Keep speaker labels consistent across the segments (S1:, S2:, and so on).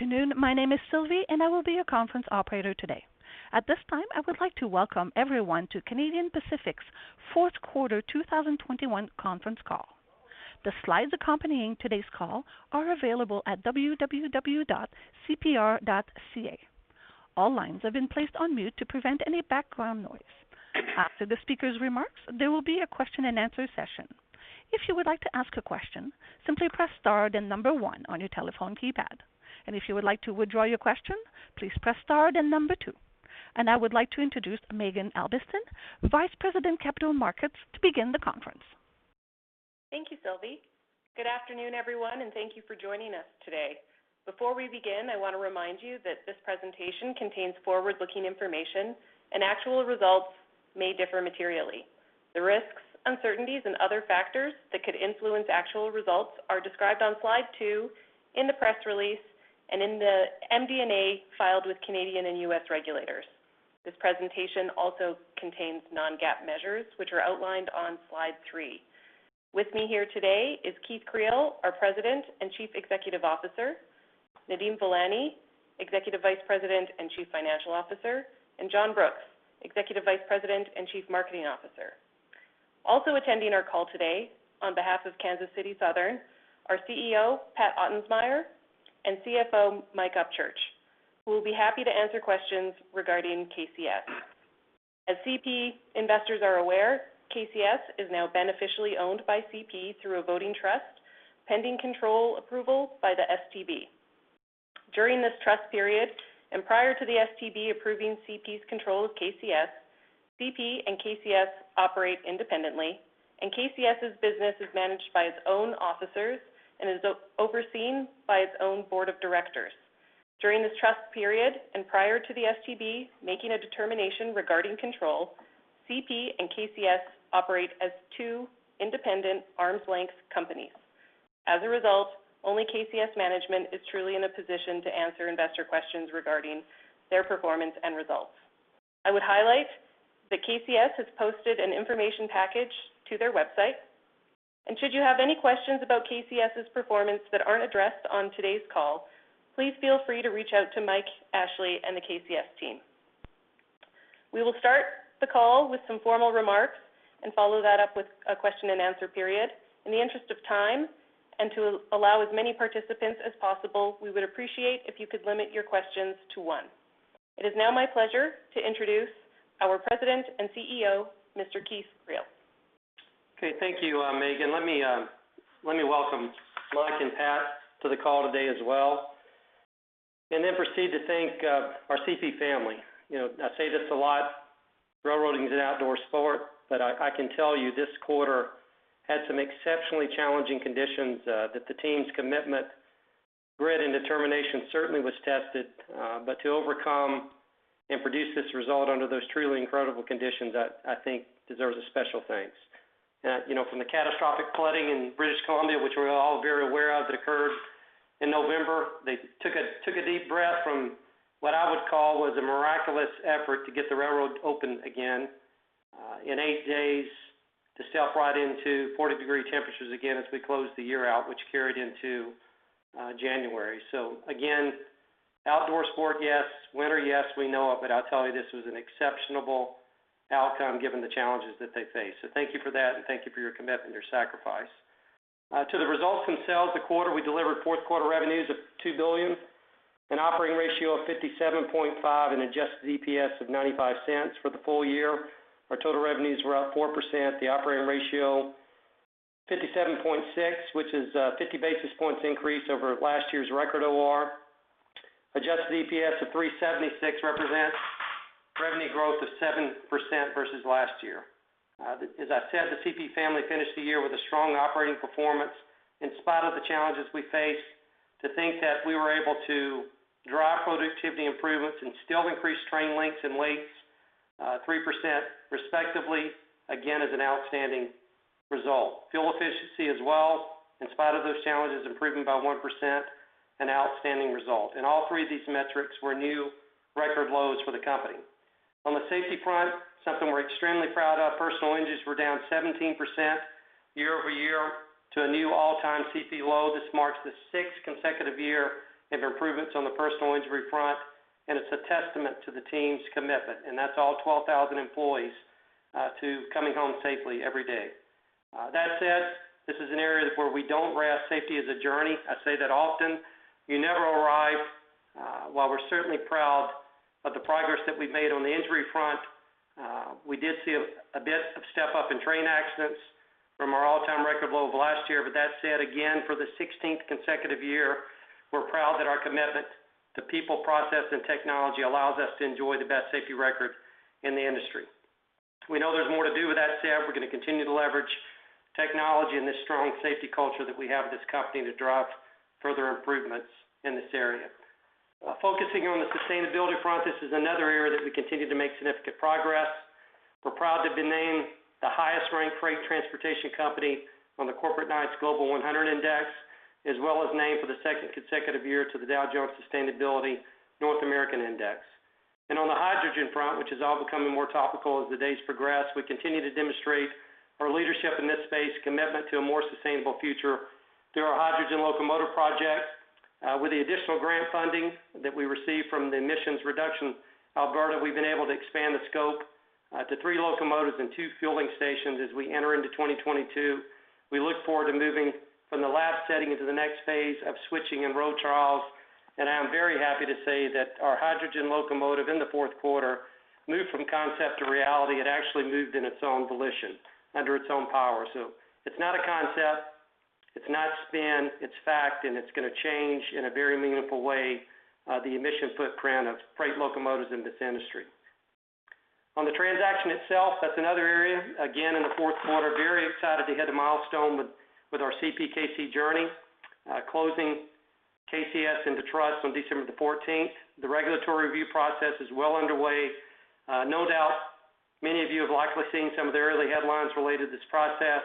S1: Good afternoon. My name is Sylvie, and I will be your conference operator today. At this time, I would like to welcome everyone to Canadian Pacific's fourth quarter 2021 conference call. The slides accompanying today's call are available at www.cpr.ca. All lines have been placed on mute to prevent any background noise. After the speaker's remarks, there will be a question-and-answer session. If you would like to ask a question, simply press star then number one on your telephone keypad. If you would like to withdraw your question, please press star then number two. I would like to introduce Maeghan Albiston, Vice President, Capital Markets, to begin the conference.
S2: Thank you, Sylvie. Good afternoon, everyone, and thank you for joining us today. Before we begin, I want to remind you that this presentation contains forward-looking information and actual results may differ materially. The risks, uncertainties, and other factors that could influence actual results are described on slide two in the press release and in the MD&A filed with Canadian and U.S. regulators. This presentation also contains non-GAAP measures, which are outlined on slide three. With me here today is Keith Creel, our President and Chief Executive Officer, Nadeem Velani, Executive Vice President and Chief Financial Officer, and John Brooks, Executive Vice President and Chief Marketing Officer. Also attending our call today on behalf of Kansas City Southern, our CEO, Pat Ottensmeyer, and CFO, Mike Upchurch, who will be happy to answer questions regarding KCS. As CP investors are aware, KCS is now beneficially owned by CP through a voting trust pending control approval by the STB. During this trust period and prior to the STB approving CP's control of KCS, CP and KCS operate independently, and KCS's business is managed by its own officers and is overseen by its own board of directors. During this trust period and prior to the STB making a determination regarding control, CP and KCS operate as two independent arm's-length companies. As a result, only KCS management is truly in a position to answer investor questions regarding their performance and results. I would highlight that KCS has posted an information package to their website. Should you have any questions about KCS's performance that aren't addressed on today's call, please feel free to reach out to Mike, Ashley and the KCS team. We will start the call with some formal remarks and follow that up with a question-and-answer period. In the interest of time and to allow as many participants as possible, we would appreciate if you could limit your questions to one. It is now my pleasure to introduce our President and CEO, Mr. Keith Creel.
S3: Okay, thank you, Maeghan. Let me welcome Mike and Pat to the call today as well, and then proceed to thank our CP family. You know, I say this a lot, railroading is an outdoor sport, but I can tell you this quarter had some exceptionally challenging conditions that the team's commitment, grit, and determination certainly was tested. To overcome and produce this result under those truly incredible conditions, I think deserves a special thanks. You know, from the catastrophic flooding in British Columbia, which we're all very aware of, that occurred in November, they took a deep breath from what I would call was a miraculous effort to get the railroad open again in eight days to snowplow right into 40-degree temperatures again as we closed the year out, which carried into January. Again, outdoor sport, yes. Winter, yes, we know it, but I'll tell you, this was an exceptional outcome given the challenges that they faced. Thank you for that, and thank you for your commitment, your sacrifice. To the results themselves, the quarter, we delivered fourth quarter revenues of 2 billion, an operating ratio of 57.5, and adjusted EPS of 0.95. For the full year, our total revenues were up 4%. The operating ratio 57.6, which is 50 basis points increase over last year's record OR. Adjusted EPS of 3.76 represents revenue growth of 7% versus last year. As I said, the CP family finished the year with a strong operating performance in spite of the challenges we faced. To think that we were able to drive productivity improvements and still increase train lengths and weights 3% respectively, again, is an outstanding result. Fuel efficiency as well, in spite of those challenges, improving by 1%, an outstanding result. All three of these metrics were new record lows for the company. On the safety front, something we're extremely proud of, personal injuries were down 17% year-over-year to a new all-time CP low. This marks the sixth consecutive year of improvements on the personal injury front, and it's a testament to the team's commitment, and that's all 12,000 employees, to coming home safely every day. That said, this is an area where we don't rest. Safety is a journey. I say that often. You never arrive. While we're certainly proud of the progress that we've made on the injury front, we did see a bit of step up in train accidents from our all-time record low of last year. That said, again, for the 16th consecutive year, we're proud that our commitment to people, process, and technology allows us to enjoy the best safety record in the industry. We know there's more to do. With that said, we're gonna continue to leverage technology and the strong safety culture that we have at this company to drive further improvements in this area. Focusing on the sustainability front, this is another area that we continue to make significant progress. We're proud to have been named the highest ranked freight transportation company on the Corporate Knights Global 100 Index, as well as named for the second consecutive year to the Dow Jones Sustainability North America Index. On the hydrogen front, which is all becoming more topical as the days progress, we continue to demonstrate our leadership in this space, commitment to a more sustainable future through our hydrogen locomotive project. With the additional grant funding that we received from the Emissions Reduction Alberta, we've been able to expand the scope to three locomotives and two fueling stations as we enter into 2022. We look forward to moving from the lab setting into the next phase of switching and road trials. I am very happy to say that our hydrogen locomotive in the fourth quarter moved from concept to reality. It actually moved in its own volition, under its own power. It's not a concept, it's not spin, it's fact, and it's gonna change, in a very meaningful way, the emission footprint of freight locomotives in this industry. On the transaction itself, that's another area, again, in the fourth quarter, very excited to hit a milestone with our CPKC journey, closing KCS into trust on December the fourteenth. The regulatory review process is well underway. No doubt many of you have likely seen some of the early headlines related to this process.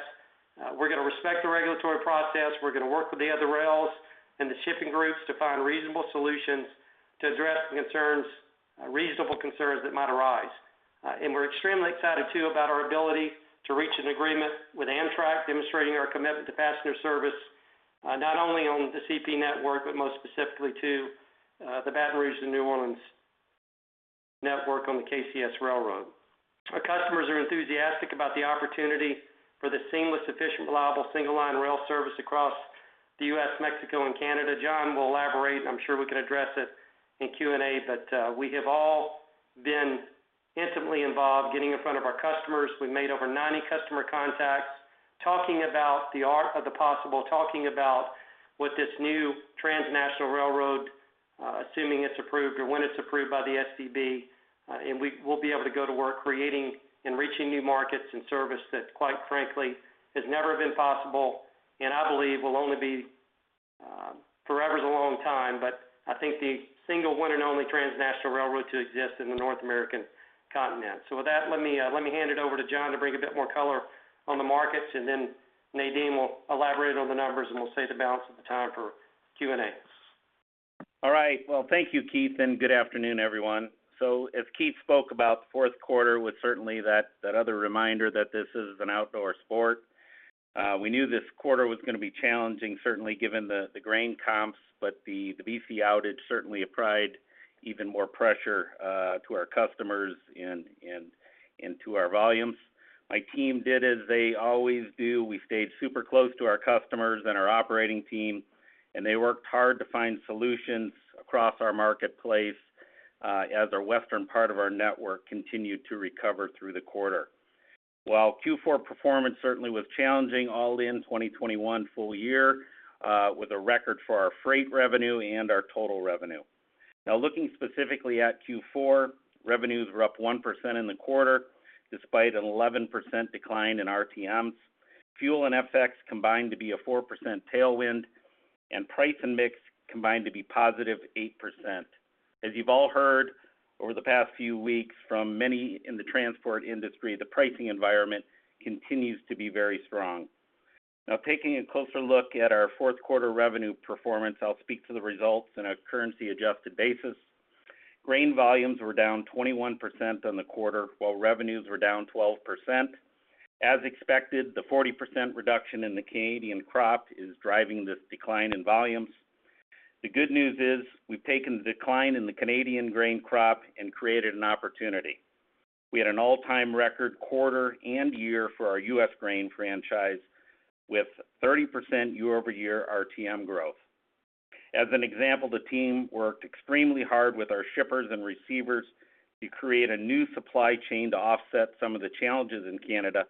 S3: We're gonna respect the regulatory process. We're gonna work with the other rails and the shipping groups to find reasonable solutions to address the concerns, reasonable concerns that might arise. We're extremely excited too about our ability to reach an agreement with Amtrak, demonstrating our commitment to passenger service, not only on the CP network, but most specifically to the Baton Rouge and New Orleans network on the KCS railroad. Our customers are enthusiastic about the opportunity for the seamless, efficient, reliable single line rail service across the U.S., Mexico and Canada. John will elaborate, I'm sure we can address it in Q&A, but we have all been intimately involved getting in front of our customers. We've made over 90 customer contacts talking about the art of the possible, talking about what this new transnational railroad, assuming it's approved or when it's approved by the STB, and we will be able to go to work creating and reaching new markets and service that, quite frankly, has never been possible and I believe will only be, forever is a long time, but I think the single one and only transnational railroad to exist in the North American continent. With that, let me hand it over to John to bring a bit more color on the markets, and then Nadeem will elaborate on the numbers, and we'll save the balance of the time for Q&A.
S4: All right. Well, thank you, Keith, and good afternoon, everyone. As Keith spoke about the fourth quarter, with certainly that other reminder that this is an outdoor sport, we knew this quarter was gonna be challenging, certainly given the grain comps, but the BC outage certainly applied even more pressure to our customers and to our volumes. My team did as they always do. We stayed super close to our customers and our operating team, and they worked hard to find solutions across our marketplace, as our western part of our network continued to recover through the quarter. While Q4 performance certainly was challenging all in 2021 full year, with a record for our freight revenue and our total revenue. Now looking specifically at Q4, revenues were up 1% in the quarter despite an 11% decline in RTMs. Fuel and FX combined to be a 4% tailwind, and price and mix combined to be positive 8%. As you've all heard over the past few weeks from many in the transport industry, the pricing environment continues to be very strong. Now taking a closer look at our fourth quarter revenue performance, I'll speak to the results in a currency adjusted basis. Grain volumes were down 21% on the quarter, while revenues were down 12%. As expected, the 40% reduction in the Canadian crop is driving this decline in volumes. The good news is we've taken the decline in the Canadian grain crop and created an opportunity. We had an all-time record quarter and year for our U.S. grain franchise with 30% year-over-year RTM growth. As an example, the team worked extremely hard with our shippers and receivers to create a new supply chain to offset some of the challenges in Canada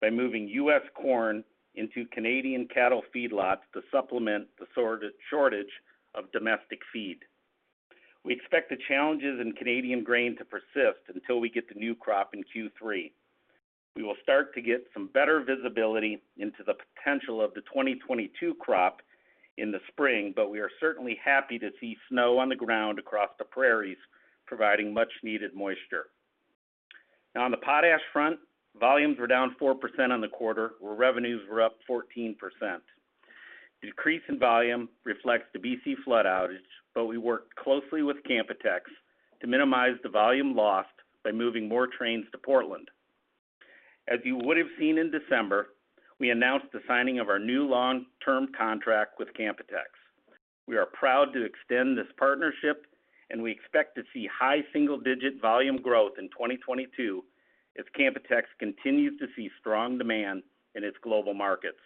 S4: by moving U.S. corn into Canadian cattle feedlots to supplement the shortage of domestic feed. We expect the challenges in Canadian grain to persist until we get the new crop in Q3. We will start to get some better visibility into the potential of the 2022 crop in the spring, but we are certainly happy to see snow on the ground across the prairies, providing much needed moisture. Now on the potash front, volumes were down 4% on the quarter, where revenues were up 14%. Decrease in volume reflects the BC flood outage, but we worked closely with Canpotex to minimize the volume lost by moving more trains to Portland. As you would have seen in December, we announced the signing of our new long-term contract with Canpotex. We are proud to extend this partnership and we expect to see high single-digit volume growth in 2022 as Canpotex continues to see strong demand in its global markets.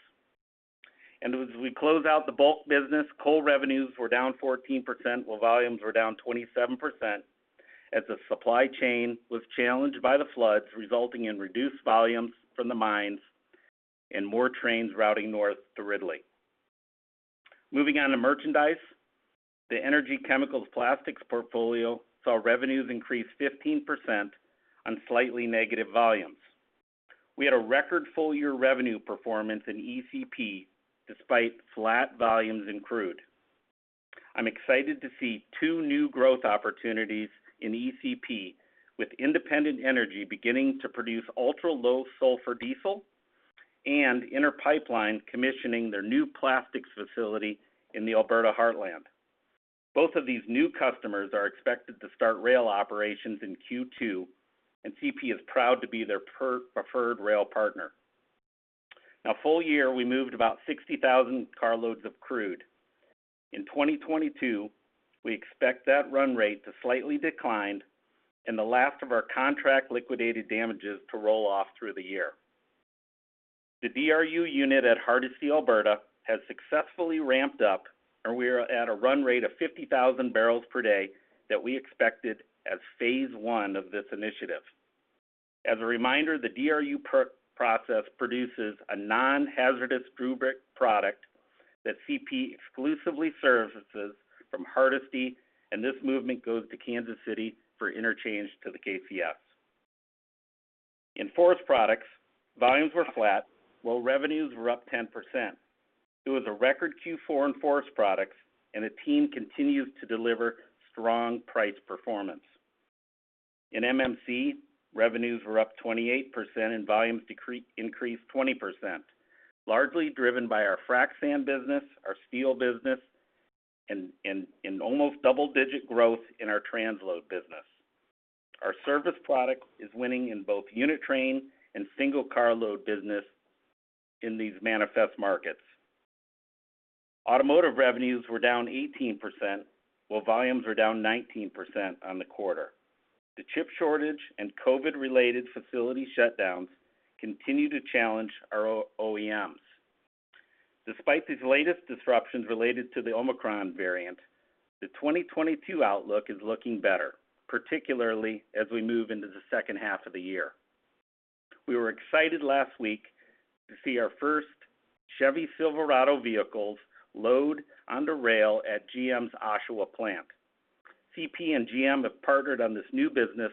S4: As we close out the bulk business, coal revenues were down 14%, while volumes were down 27% as the supply chain was challenged by the floods, resulting in reduced volumes from the mines and more trains routing north to Ridley. Moving on to merchandise. The Energy Chemicals Plastics portfolio saw revenues increase 15% on slightly negative volumes. We had a record full year revenue performance in ECP despite flat volumes in crude. I'm excited to see two new growth opportunities in ECP with Independent Energy beginning to produce ultra-low sulfur diesel. Inter Pipeline commissioning their new plastics facility in the Alberta Heartland. Both of these new customers are expected to start rail operations in Q2, and CP is proud to be their preferred rail partner. Now, for the full year, we moved about 60,000 carloads of crude. In 2022, we expect that run rate to slightly decline and the last of our contract liquidated damages to roll off through the year. The DRU unit at Hardisty, Alberta has successfully ramped up, and we are at a run rate of 50,000 barrels per day that we expected as phase one of this initiative. As a reminder, the DRU process produces a non-hazardous DRUbit product that CP exclusively services from Hardisty, and this movement goes to Kansas City for interchange to the KCS. In forest products, volumes were flat, while revenues were up 10%. It was a record Q4 in forest products, and the team continues to deliver strong price performance. In MMC, revenues were up 28% and volumes increased 20%, largely driven by our frac sand business, our steel business, and almost double-digit growth in our transload business. Our service product is winning in both unit train and single carload business in these manifest markets. Automotive revenues were down 18%, while volumes were down 19% on the quarter. The chip shortage and COVID-related facility shutdowns continue to challenge our OEMs. Despite these latest disruptions related to the Omicron variant, the 2022 outlook is looking better, particularly as we move into the second half of the year. We were excited last week to see our first Chevy Silverado vehicles load onto rail at GM's Oshawa plant. CP and GM have partnered on this new business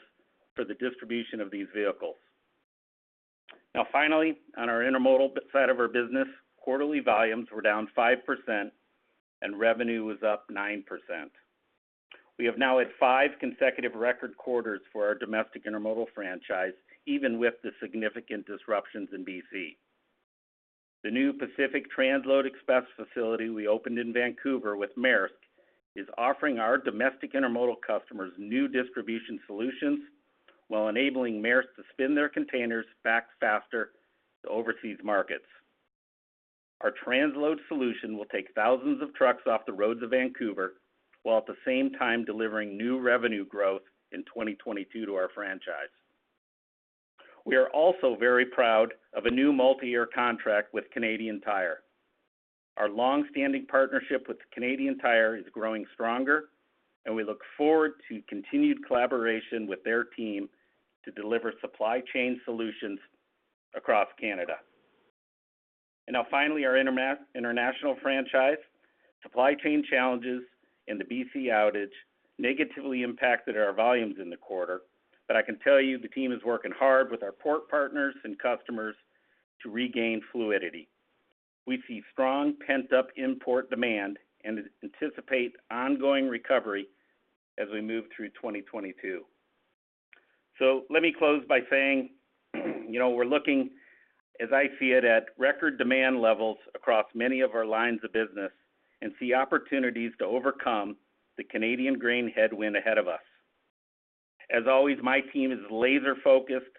S4: for the distribution of these vehicles. Now finally, on our intermodal side of our business, quarterly volumes were down 5% and revenue was up 9%. We have now had five consecutive record quarters for our domestic intermodal franchise, even with the significant disruptions in BC. The new Pacific Transload Express facility we opened in Vancouver with Maersk is offering our domestic intermodal customers new distribution solutions while enabling Maersk to spin their containers back faster to overseas markets. Our transload solution will take thousands of trucks off the roads of Vancouver, while at the same time delivering new revenue growth in 2022 to our franchise. We are also very proud of a new multi-year contract with Canadian Tire. Our long-standing partnership with Canadian Tire is growing stronger and we look forward to continued collaboration with their team to deliver supply chain solutions across Canada. Now finally, our international franchise. Supply chain challenges and the BC outage negatively impacted our volumes in the quarter, but I can tell you the team is working hard with our port partners and customers to regain fluidity. We see strong pent-up import demand and anticipate ongoing recovery as we move through 2022. Let me close by saying, you know, we're looking, as I see it, at record demand levels across many of our lines of business and see opportunities to overcome the Canadian grain headwind ahead of us. As always, my team is laser-focused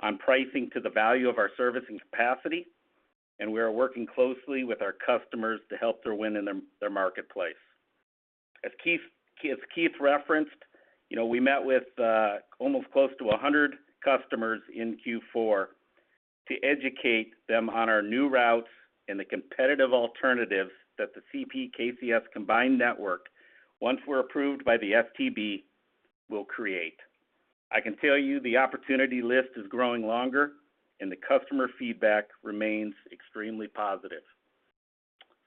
S4: on pricing to the value of our service and capacity, and we are working closely with our customers to help them win in their marketplace. As Keith referenced, you know, we met with almost close to 100 customers in Q4 to educate them on our new routes and the competitive alternatives that the CP KCS combined network, once we're approved by the STB, will create. I can tell you the opportunity list is growing longer and the customer feedback remains extremely positive.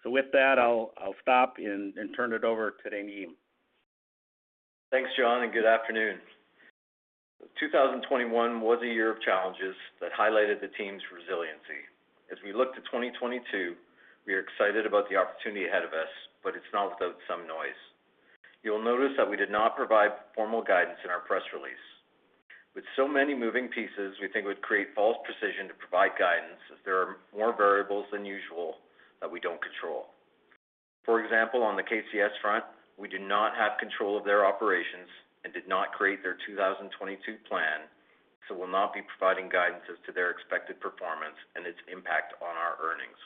S4: With that, I'll stop and turn it over to Nadeem.
S5: Thanks, John, and good afternoon. 2021 was a year of challenges that highlighted the team's resiliency. As we look to 2022, we are excited about the opportunity ahead of us, but it's not without some noise. You'll notice that we did not provide formal guidance in our press release. With so many moving pieces, we think it would create false precision to provide guidance, as there are more variables than usual that we don't control. For example, on the KCS front, we do not have control of their operations and did not create their 2022 plan, so we'll not be providing guidance as to their expected performance and its impact on our earnings.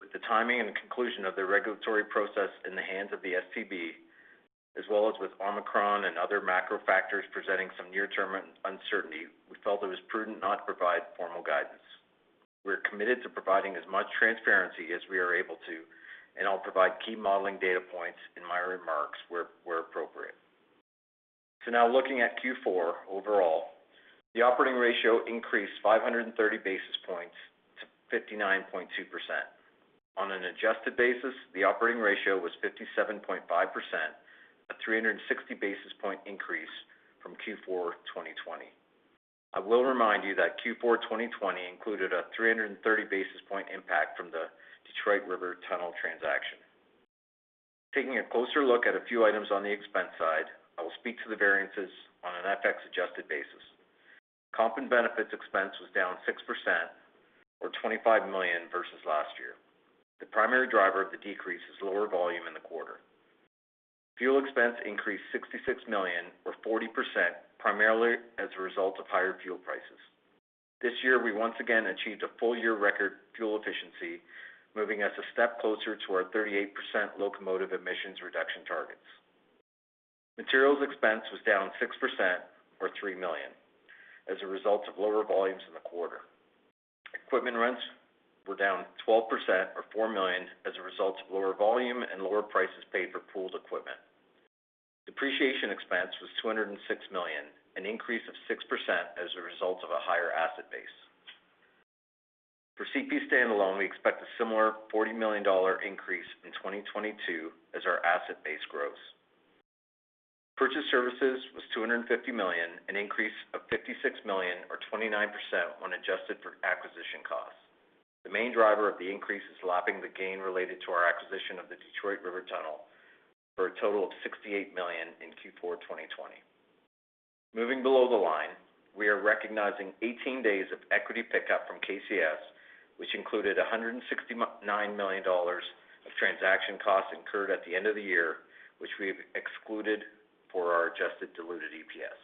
S5: With the timing and conclusion of the regulatory process in the hands of the STB, as well as with Omicron and other macro factors presenting some near-term uncertainty, we felt it was prudent not to provide formal guidance. We're committed to providing as much transparency as we are able to, and I'll provide key modeling data points in my remarks where appropriate. Now looking at Q4 overall, the operating ratio increased 530 basis points to 59.2%. On an adjusted basis, the operating ratio was 57.5%, a 360 basis points increase from Q4 2020. I will remind you that Q4 2020 included a 330 basis point impact from the Detroit River Tunnel transaction. Taking a closer look at a few items on the expense side, I will speak to the variances on an FX adjusted basis. Comp and benefits expense was down 6% or 25 million versus last year. The primary driver of the decrease is lower volume in the quarter. Fuel expense increased 66 million or 40% primarily as a result of higher fuel prices. This year, we once again achieved a full-year record fuel efficiency, moving us a step closer to our 38% locomotive emissions reduction targets. Materials expense was down 6% or 3 million as a result of lower volumes in the quarter. Equipment rents were down 12% or 4 million as a result of lower volume and lower prices paid for pooled equipment. Depreciation expense was 206 million, an increase of 6% as a result of a higher asset base. For CP standalone, we expect a similar 40 million dollar increase in 2022 as our asset base grows. Purchase services was 250 million, an increase of 56 million or 29% when adjusted for acquisition costs. The main driver of the increase is lapping the gain related to our acquisition of the Detroit River Tunnel for a total of 68 million in Q4 2020. Moving below the line, we are recognizing 18 days of equity pickup from KCS, which included 169 million dollars of transaction costs incurred at the end of the year, which we've excluded for our adjusted diluted EPS.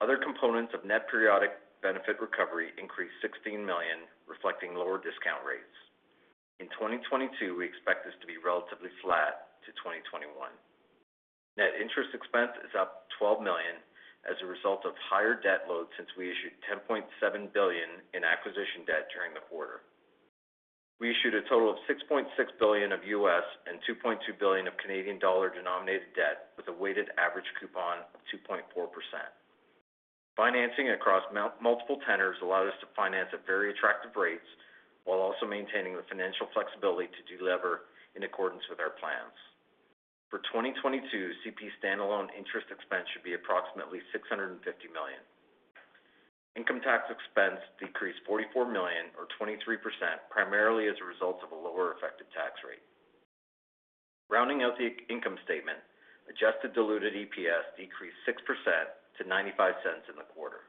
S5: Other components of net periodic benefit recovery increased 16 million, reflecting lower discount rates. In 2022, we expect this to be relatively flat to 2021. Net interest expense is up 12 million as a result of higher debt load since we issued 10.7 billion in acquisition debt during the quarter. We issued a total of $6.6 billion of U.S. and 2.2 billion of Canadian dollar denominated debt with a weighted average coupon of 2.4%. Financing across multiple tenors allowed us to finance at very attractive rates while also maintaining the financial flexibility to delever in accordance with our plans. For 2022, CP standalone interest expense should be approximately 650 million. Income tax expense decreased 44 million or 23%, primarily as a result of a lower effective tax rate. Rounding out the income statement, adjusted diluted EPS decreased 6% to 0.95 in the quarter.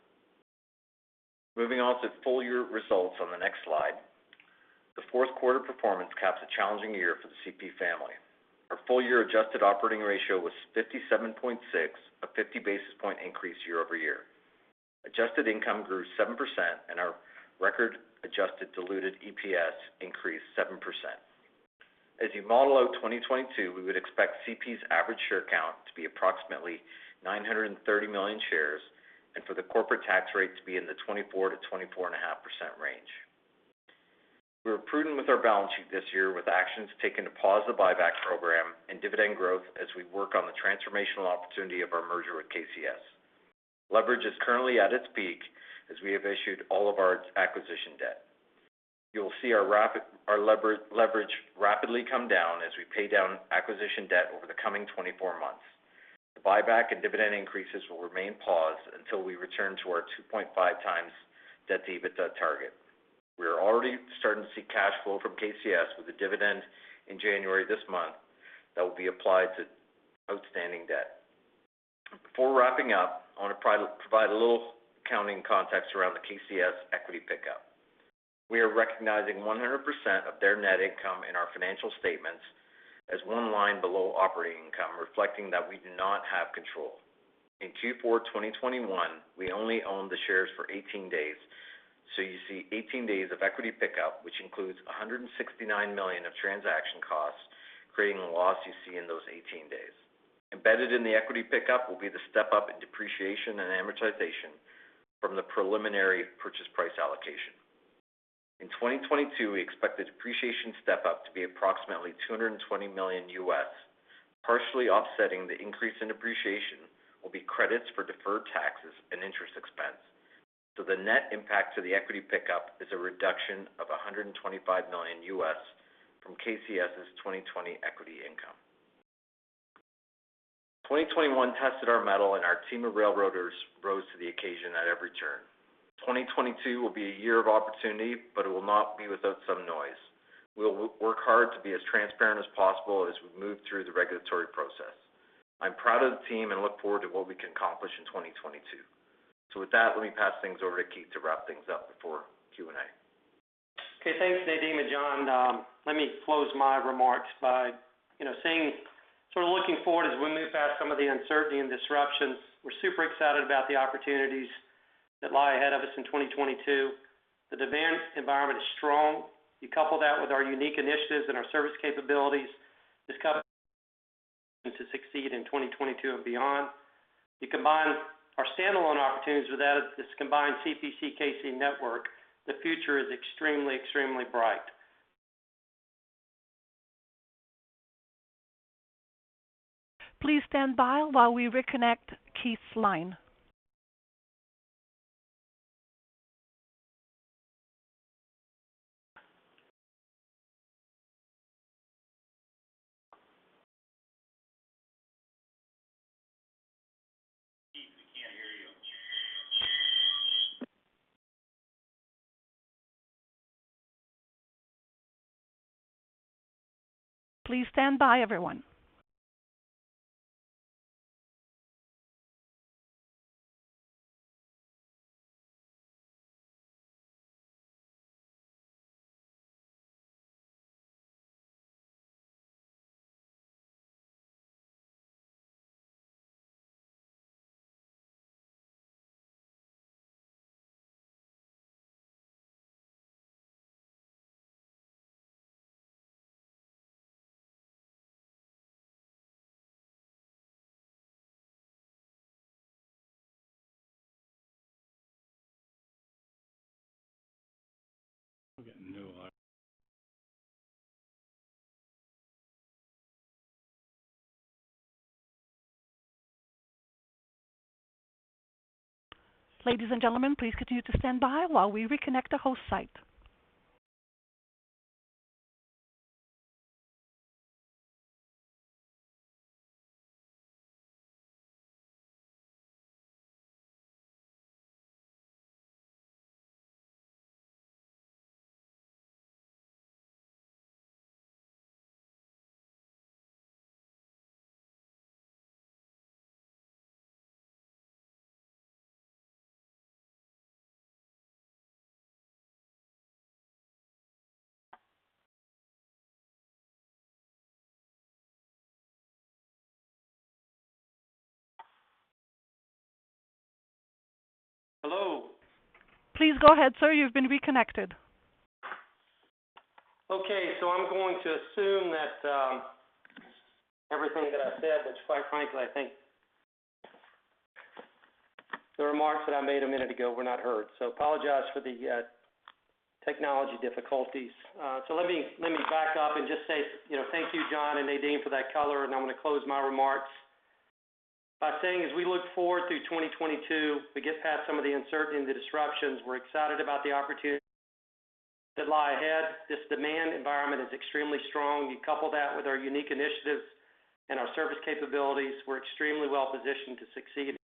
S5: Moving on to full-year results on the next slide. The fourth quarter performance caps a challenging year for the CP family. Our full year adjusted operating ratio was 57.6, a 50 basis point increase year over year. Adjusted income grew 7%, and our record adjusted diluted EPS increased 7%. As you model out 2022, we would expect CP's average share count to be approximately 930 million shares, and for the corporate tax rate to be in the 24%-24.5% range. We were prudent with our balance sheet this year with actions taken to pause the buyback program and dividend growth as we work on the transformational opportunity of our merger with KCS. Leverage is currently at its peak as we have issued all of our acquisition debt. You'll see our leverage rapidly come down as we pay down acquisition debt over the coming 24 months. The buyback and dividend increases will remain paused until we return to our 2.5x debt to EBITDA target. We are already starting to see cash flow from KCS with a dividend in January this month that will be applied to outstanding debt. Before wrapping up, I want to provide a little accounting context around the KCS equity pickup. We are recognizing 100% of their net income in our financial statements as one line below operating income, reflecting that we do not have control. In Q4 2021, we only owned the shares for 18 days, so you see 18 days of equity pickup, which includes $169 million of transaction costs, creating the loss you see in those 18 days. Embedded in the equity pickup will be the step-up in depreciation and amortization from the preliminary purchase price allocation. In 2022, we expect the depreciation step-up to be approximately $220 million. Partially offsetting the increase in depreciation will be credits for deferred taxes and interest expense. The net impact to the equity pickup is a reduction of $125 million from KCS's 2020 equity income. 2021 tested our mettle, and our team of railroaders rose to the occasion at every turn. 2022 will be a year of opportunity, but it will not be without some noise. We'll work hard to be as transparent as possible as we move through the regulatory process. I'm proud of the team and look forward to what we can accomplish in 2022. With that, let me pass things over to Keith to wrap things up before Q&A.
S3: Thanks, Nadeem and John. Let me close my remarks by, you know, saying sort of looking forward as we move past some of the uncertainty and disruptions, we're super excited about the opportunities that lie ahead of us in 2022. The demand environment is strong. You couple that with our unique initiatives and our service capabilities. This positions us to succeed in 2022 and beyond. You combine our standalone opportunities with that of this combined CPKC network. The future is extremely bright.
S1: Please stand by while we reconnect Keith's line. Please stand by everyone.
S3: We're getting no audio.
S1: Ladies and gentlemen, please continue to stand by while we reconnect the host site.
S3: Hello.
S1: Please go ahead, sir. You've been reconnected.
S3: Okay. I'm going to assume that everything that I said, which quite frankly I think the remarks that I made a minute ago were not heard. Apologize for the technical difficulties. Let me back up and just say, you know, thank you, John and Nadeem for that color. I'm gonna close my remarks by saying, as we look forward through 2022, we get past some of the uncertainty and the disruptions. We're excited about the opportunities that lie ahead. This demand environment is extremely strong. You couple that with our unique initiatives and our service capabilities, we're extremely well-positioned to succeed.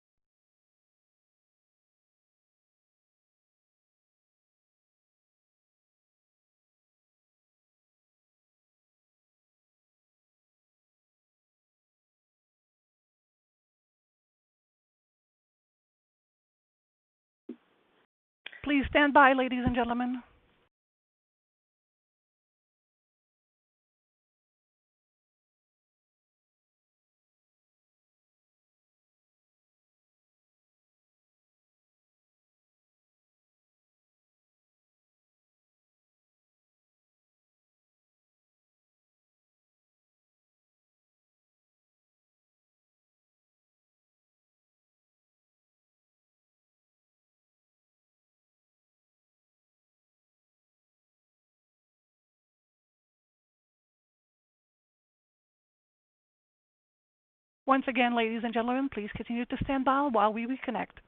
S1: Please stand by, ladies and gentlemen. Once again, ladies and gentlemen, please continue to stand by while we reconnect.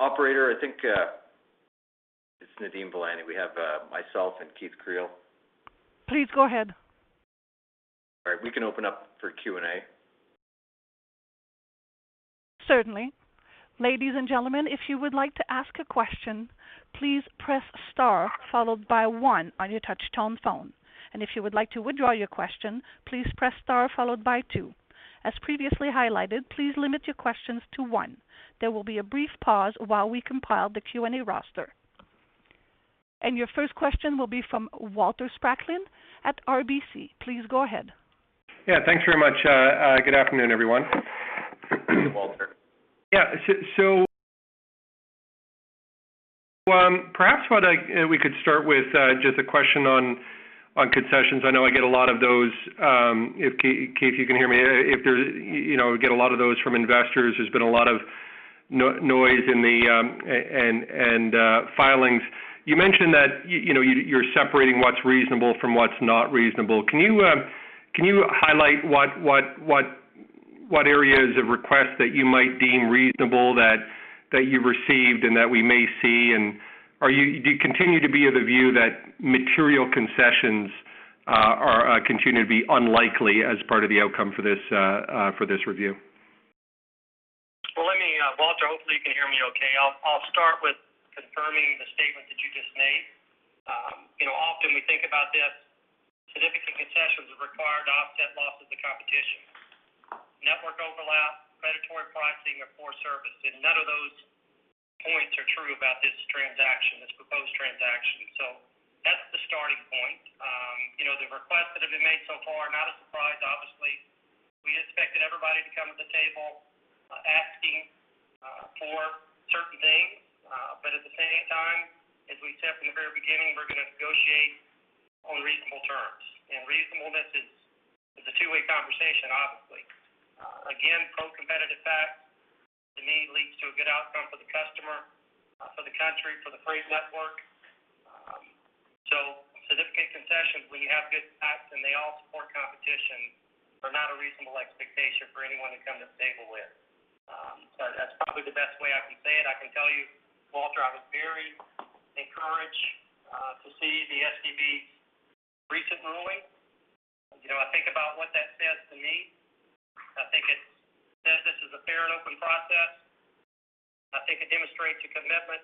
S5: Operator, I think this is Nadeem Velani. We have myself and Keith Creel.
S1: Please go ahead.
S5: All right, we can open up for Q&A.
S1: Certainly. Ladies and gentlemen, if you would like to ask a question, please press star followed by one on your touch tone phone. If you would like to withdraw your question, please press star followed by two. As previously highlighted, please limit your questions to one. There will be a brief pause while we compile the Q&A roster. Your first question will be from Walter Spracklin at RBC. Please go ahead.
S6: Yeah, thanks very much. Good afternoon, everyone.
S3: Thank you, Walter.
S6: Perhaps we could start with just a question on concessions. I know I get a lot of those if Keith you can hear me if there's you know get a lot of those from investors. There's been a lot of noise in the filings. You mentioned that, you know, you're separating what's reasonable from what's not reasonable. Can you highlight what areas of requests that you might deem reasonable that you received and that we may see and Do you continue to be of the view that material concessions continue to be unlikely as part of the outcome for this review?
S3: Well, let me, Walter, hopefully you can hear me okay. I'll start with confirming the statement that you just made. You know, often we think about this, significant concessions are required to offset losses of competition. Network overlap, predatory pricing, or poor service, and none of those points are true about this transaction, this proposed transaction. That's the starting point. You know, the requests that have been made so far, not a surprise, obviously. We expected everybody to come to the table, asking for certain things. At the same time, as we said from the very beginning, we're gonna negotiate on reasonable terms. Reasonableness is a two-way conversation, obviously. Again, pro-competitive facts, to me, leads to a good outcome for the customer, for the country, for the freight network. Significant concessions, when you have good facts and they all support competition, are not a reasonable expectation for anyone to come to the table with. That's probably the best way I can say it. I can tell you, Walter, I was very encouraged to see the STB's recent ruling. I think about what that says to me. I think it says this is a fair and open process. I think it demonstrates a commitment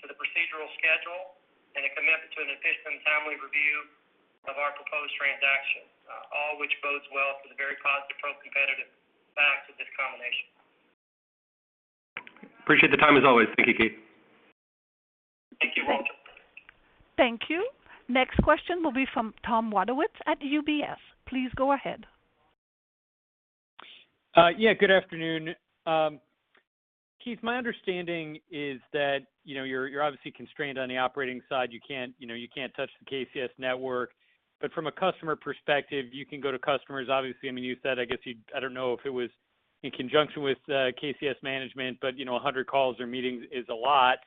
S3: to the procedural schedule and a commitment to an efficient and timely review of our proposed transaction, all which bodes well for the very positive pro-competitive facts of this combination.
S6: appreciate the time as always. Thank you, Keith.
S3: Thank you, Walter.
S1: Thank you. Next question will be from Tom Wadewitz at UBS. Please go ahead.
S7: Yeah, good afternoon. Keith, my understanding is that, you know, you're obviously constrained on the operating side. You can't touch the KCS network. But from a customer perspective, you can go to customers, obviously. I mean, you said, I guess, I don't know if it was in conjunction with KCS management, but you know, 100 calls or meetings is a lot.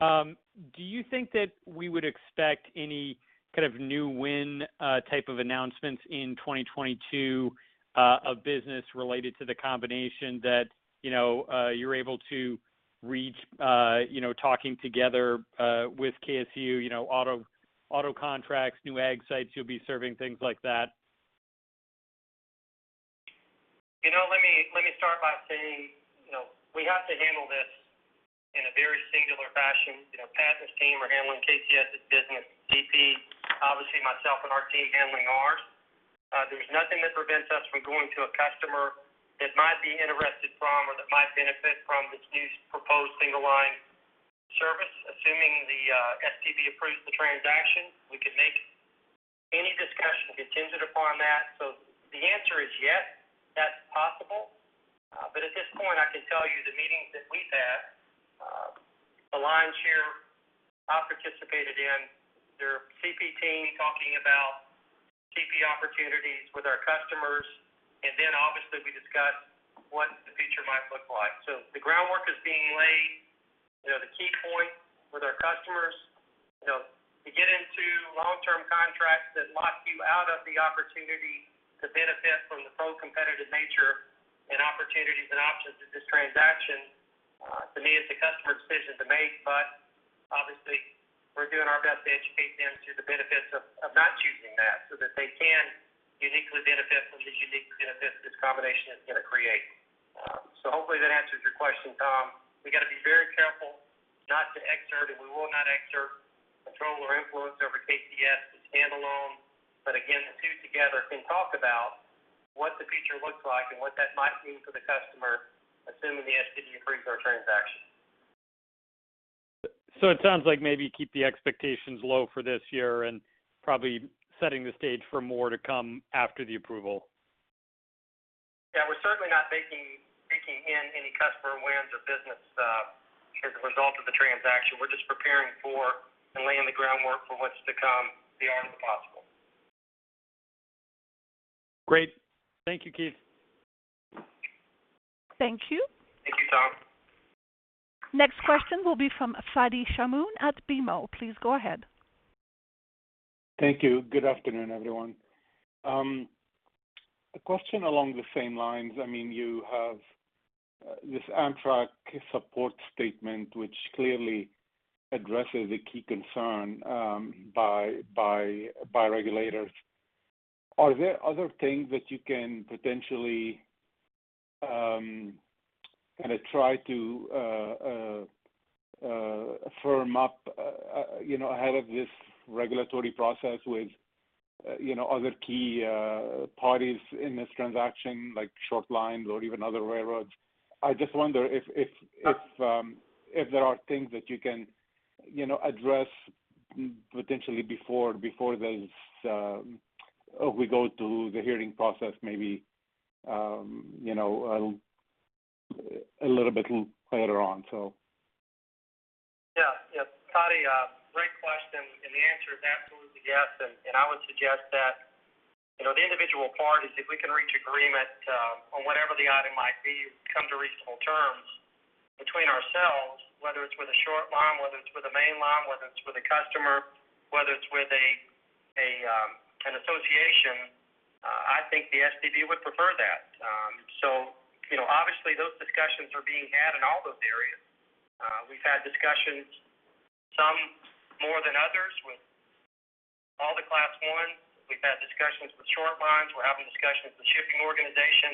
S7: Do you think that we would expect any kind of new win type of announcements in 2022 of business related to the combination that, you know, you're able to reach, you know, talking together with KCS, you know, auto contracts, new ag sites you'll be serving, things like that?
S3: You know, let me start by saying, you know, we have to handle this in a very singular fashion. You know, Pat Ottensmeyer's team is handling KCS's business. CP, obviously myself and our team handling ours. There's nothing that prevents us from going to a customer that might be interested in or that might benefit from this new proposed single line service. Assuming the STB approves the transaction, we can make any discussion contingent upon that. The answer is yes, that's possible. But at this point, I can tell you the meetings that we've had, the lines here I participated in, their CP team talking about CP opportunities with our customers. Then obviously we discussed what the future might look like. The groundwork is being laid. You know, the key point with our customers, you know, to get into long-term contracts that lock you out of the opportunity to benefit from the pro-competitive nature and opportunities and options of this transaction, to me, it's a customer's decision to make. But obviously we're doing our best to educate them to the benefits of not choosing that so that they can uniquely benefit from the unique benefits this combination is gonna create. So hopefully that answers your question, Tom. We gotta be very careful not to exert, and we will not exert control or influence over KCS, the standalone. But again, the two together can talk about what the future looks like and what that might mean for the customer, assuming the STB approves our transaction.
S7: It sounds like maybe keep the expectations low for this year and probably setting the stage for more to come after the approval.
S3: Yeah, we're certainly not baking in any customer wins or business as a result of the transaction. We're just preparing for and laying the groundwork for what's to come beyond the possible.
S7: Great. Thank you, Keith.
S1: Thank you.
S3: Thank you, Tom.
S1: Next question will be from Fadi Chamoun at BMO. Please go ahead.
S8: Thank you. Good afternoon, everyone. A question along the same lines. I mean, you have this Amtrak support statement, which clearly addresses a key concern by regulators. Are there other things that you can potentially kinda try to firm up you know ahead of this regulatory process with you know other key parties in this transaction, like short lines or even other railroads? I just wonder if there are things that you can you know address potentially before this we go to the hearing process, maybe you know a little bit later on, so.
S3: Yeah. Yeah. Fadi, great question. The answer is absolutely yes. I would suggest that the individual parties, if we can reach agreement on whatever the item might be, come to reasonable terms between ourselves, whether it's with a short line, whether it's with a main line, whether it's with a customer, whether it's with an association. I think the STB would prefer that. Obviously those discussions are being had in all those areas. We've had discussions, some more than others, with all the Class Is. We've had discussions with short lines. We're having discussions with the shipping organization.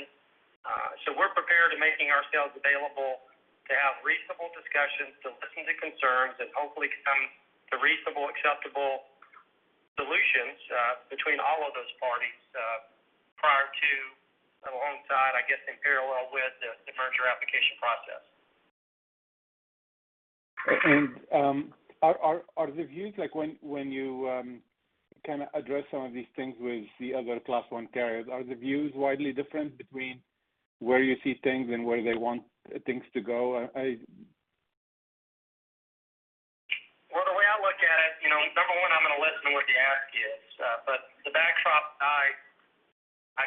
S3: We're prepared to make ourselves available to have reasonable discussions, to listen to concerns and hopefully come to reasonable, acceptable solutions between all of those parties prior to, alongside, I guess, in parallel with the merger application process.
S8: Are the views like when you kind of address some of these things with the other Class I carriers, are the views widely different between where you see things and where they want things to go?
S3: Well, the way I look at it, you know, number one, I'm going to listen to what the ask is. But the backdrop I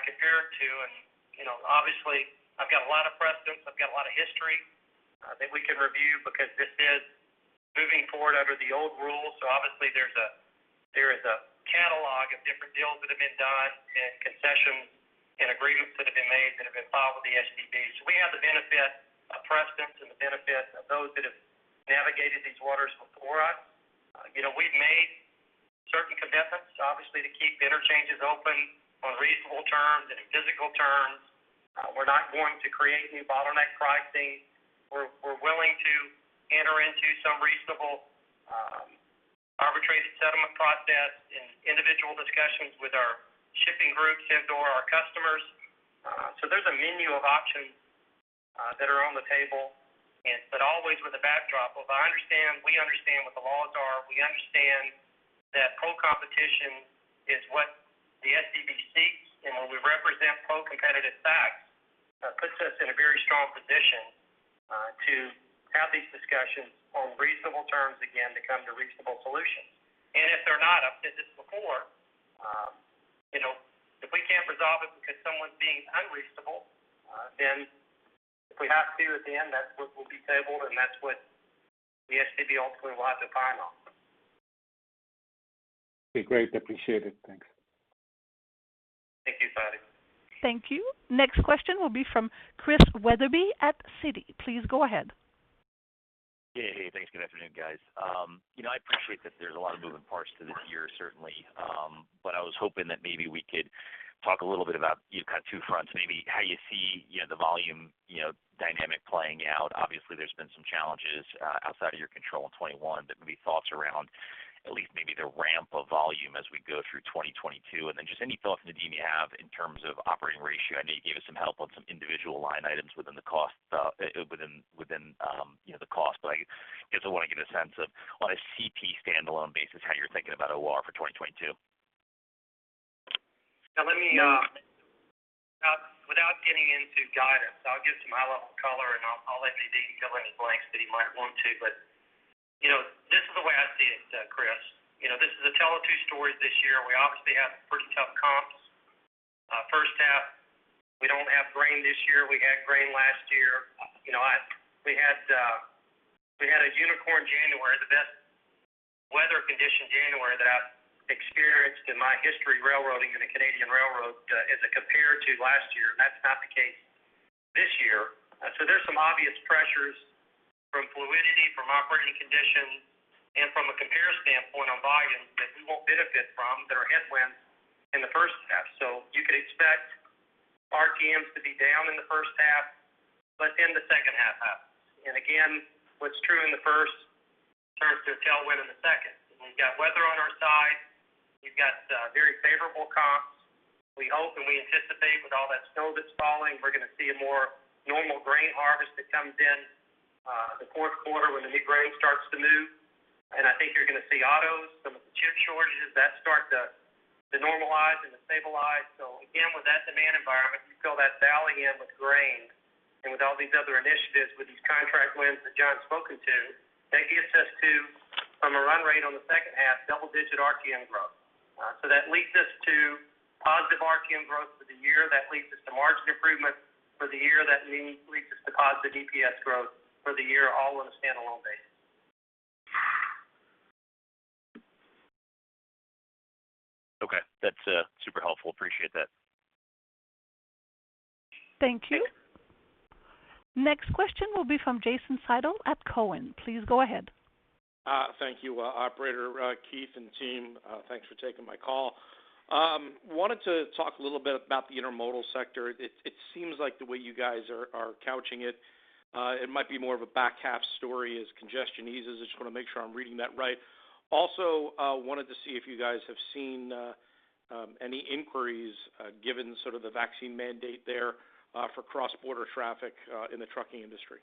S3: compare it to and, you know, obviously I've got a lot of precedent. I've got a lot of history that we can review because this is moving forward under the old rules. Obviously there is a catalog of different deals that have been done and concessions and agreements that have been made that have been filed with the STB. We have the benefit of precedent and the benefit of those that have navigated these waters before us. You know, we've made certain commitments, obviously, to keep interchanges open on reasonable terms and in physical terms. We're not going to create new bottleneck pricing. We're willing to enter into some reasonable arbitrated settlement process in individual discussions with our shipping groups and/or our customers. There's a menu of options that are on the table and, but always with a backdrop of, I understand, we understand what the laws are. We understand that pro-competitive is what the STB seeks. When we represent pro-competitive facts, that puts us in a very strong position to have these discussions on reasonable terms, again, to come to reasonable solutions. If they're not, I've said this before, you know, if we can't resolve it because someone's being unreasonable, then if we have to at the end, that's what will be tabled, and that's what the STB ultimately will have the final.
S8: Okay, great. Appreciate it. Thanks.
S3: Thank you, Fadi Chamoun.
S1: Thank you. Next question will be from Chris Wetherbee at Citi. Please go ahead.
S9: Yeah. Hey, thanks. Good afternoon, guys. I appreciate that there's a lot of moving parts to this year, certainly. But I was hoping that maybe we could talk a little bit about, you've got two fronts, maybe how you see, you know, the volume, you know, dynamic playing out. Obviously, there's been some challenges outside of your control in 2021, but maybe thoughts around at least maybe the ramp of volume as we go through 2022. Just any thoughts, Nadeem, you have in terms of operating ratio. I know you gave us some help on some individual line items within the cost, within you know, the cost, but I guess I want to get a sense of on a CP standalone basis, how you're thinking about OR for 2022.
S3: With, without getting into guidance, I'll give some high level color, and I'll let Nadeem fill in any blanks that he might want to. You know, this is the way I see it, Chris. You know, this is a tell or two stories this year. We obviously have pretty tough comps. First half, we don't have grain this year. We had grain last year. You know, we had a unicorn January, the best weather condition January that I've experienced in my history railroading in a Canadian railroad, as it compared to last year. That's not the case this year. There's some obvious pressures from fluidity, from operating conditions and from a compare standpoint on volumes that we won't benefit from that are headwinds in the first half. You could expect RPMs to be down in the first half, but in the second half. Again, what's true in the first turns to a tailwind in the second. We've got weather on our side. We've got very favorable comps. We hope and we anticipate with all that snow that's falling, we're going to see a more normal grain harvest that comes in the fourth quarter when the new grain starts to move. I think you're going to see autos, some of the chip shortages that start to normalize and to stabilize. Again, with that demand environment, you fill that valley in with grain and with all these other initiatives, with these contract wins that John's spoken to, that gets us to, from a run rate on the second half, double-digit RTM growth. That leads us to positive RTM growth for the year. That leads us to margin improvement for the year. That leads us to positive EPS growth for the year, all on a standalone basis.
S9: Okay. That's super helpful. Appreciate that.
S1: Thank you. Next question will be from Jason Seidl at Cowen. Please go ahead.
S10: Thank you, operator. Keith and team, thanks for taking my call. I wanted to talk a little bit about the intermodal sector. It seems like the way you guys are couching it might be more of a back half story as congestion eases. I just want to make sure I'm reading that right. Also, I wanted to see if you guys have seen any inquiries, given sort of the vaccine mandate there, for cross-border traffic, in the trucking industry.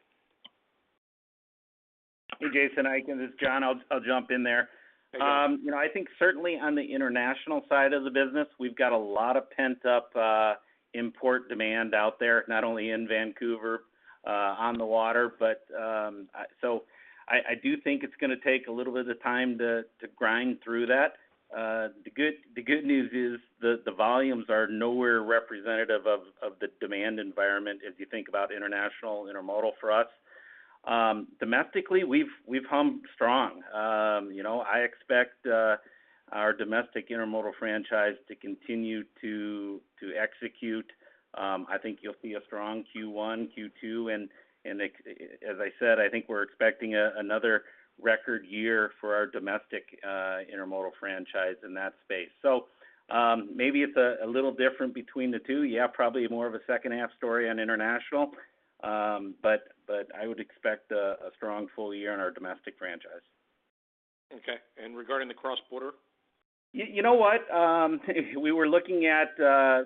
S4: Hey, Jason, this is John. I'll jump in there.
S10: Hey, John.
S4: You know, I think certainly on the international side of the business, we've got a lot of pent-up import demand out there, not only in Vancouver on the water. I do think it's going to take a little bit of time to grind through that. The good news is the volumes are nowhere representative of the demand environment if you think about international intermodal for us. Domestically, we've run strong. You know, I expect our domestic intermodal franchise to continue to execute. I think you'll see a strong Q1, Q2, and as I said, I think we're expecting another record year for our domestic intermodal franchise in that space. Maybe it's a little different between the two. Yeah, probably more of a second-half story on international. I would expect a strong full year on our domestic franchise.
S10: Okay. Regarding the cross-border?
S4: You know what? We were looking at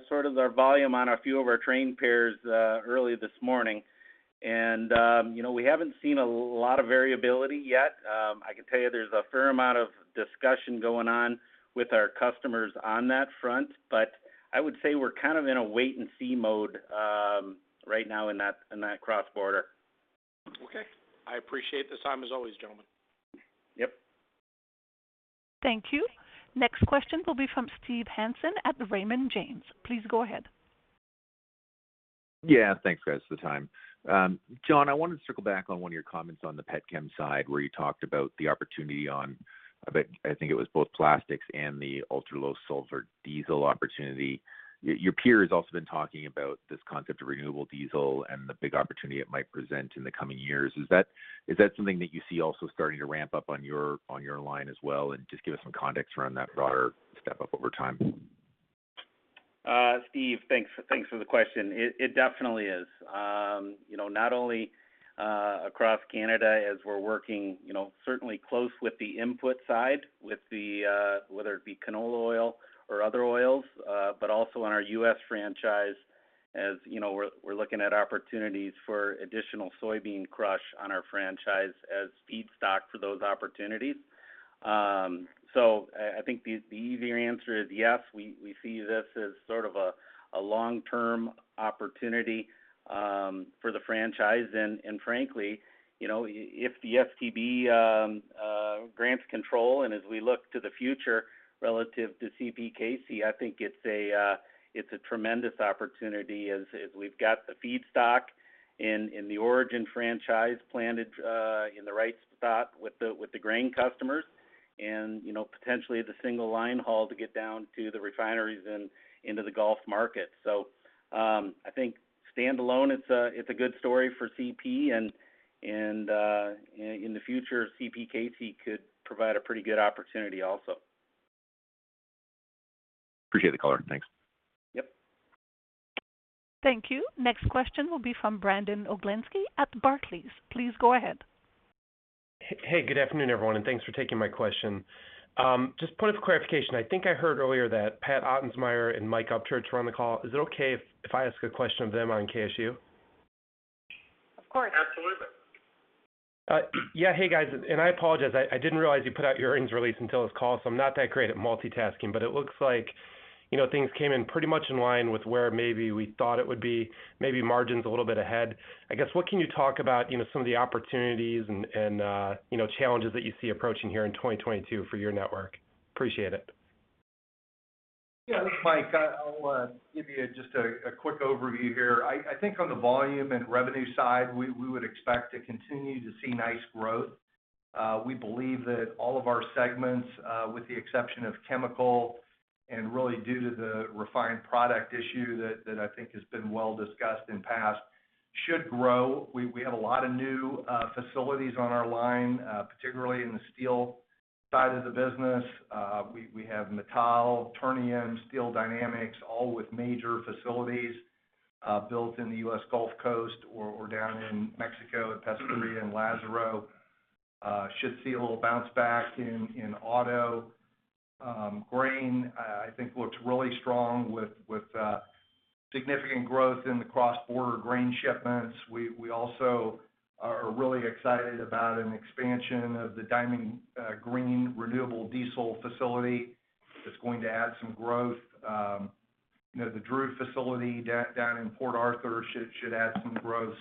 S4: sort of our volume on a few of our train pairs early this morning and, you know, we haven't seen a lot of variability yet. I can tell you there's a fair amount of discussion going on with our customers on that front, but I would say we're kind of in a wait-and-see mode right now in that cross-border.
S10: Okay. I appreciate the time as always, gentlemen.
S4: Yep.
S1: Thank you. Next question will be from Steve Hansen at Raymond James. Please go ahead.
S11: Yeah. Thanks, guys, for the time. John, I wanted to circle back on one of your comments on the petchem side, where you talked about the opportunity on, I think it was both plastics and the ultra-low sulfur diesel opportunity. Your peer has also been talking about this concept of renewable diesel and the big opportunity it might present in the coming years. Is that something that you see also starting to ramp up on your line as well? Just give us some context around that broader step up over time.
S4: Steve, thanks. Thanks for the question. It definitely is. You know, not only across Canada as we're working, you know, certainly close with the input side, with the whether it be canola oil or other oils, but also on our U.S. franchise. As you know, we're looking at opportunities for additional soybean crush on our franchise as feedstock for those opportunities. So I think the easier answer is yes, we see this as sort of a long-term opportunity for the franchise. Frankly, you know, if the STB grants control and as we look to the future relative to CPKC, I think it's a tremendous opportunity as we've got the feedstock in the origin franchise planted in the right spot with the grain customers and, you know, potentially the single line haul to get down to the refineries and into the Gulf market. I think standalone, it's a good story for CP and in the future, CPKC could provide a pretty good opportunity also.
S11: Appreciate the color. Thanks.
S4: Yep.
S1: Thank you. Next question will be from Brandon Oglenski at Barclays. Please go ahead.
S12: Hey, good afternoon, everyone, and thanks for taking my question. Just a point of clarification. I think I heard earlier that Pat Ottensmeyer and Mike Upchurch were on the call. Is it okay if I ask a question of them on KCS?
S1: Of course.
S4: Absolutely.
S12: Yeah. Hey, guys, and I apologize, I didn't realize you put out your earnings release until this call, so I'm not that great at multitasking. It looks like, you know, things came in pretty much in line with where maybe we thought it would be, maybe margins a little bit ahead. I guess, what can you talk about, you know, some of the opportunities and challenges that you see approaching here in 2022 for your network? Appreciate it.
S13: Yeah. This is Mike. I'll give you just a quick overview here. I think on the volume and revenue side, we would expect to continue to see nice growth. We believe that all of our segments, with the exception of chemical, and really due to the refined product issue that I think has been well discussed in the past, should grow. We have a lot of new facilities on our line, particularly in the steel side of the business. We have ArcelorMittal, Ternium, Steel Dynamics, all with major facilities built in the U.S. Gulf Coast or down in Mexico at Pesquería and Lázaro Cárdenas. We should see a little bounce back in auto. Grain, I think, looks really strong with significant growth in the cross-border grain shipments. We also are really excited about an expansion of the Diamond Green Diesel renewable diesel facility that's going to add some growth. You know, the DRU facility down in Port Arthur should add some growth.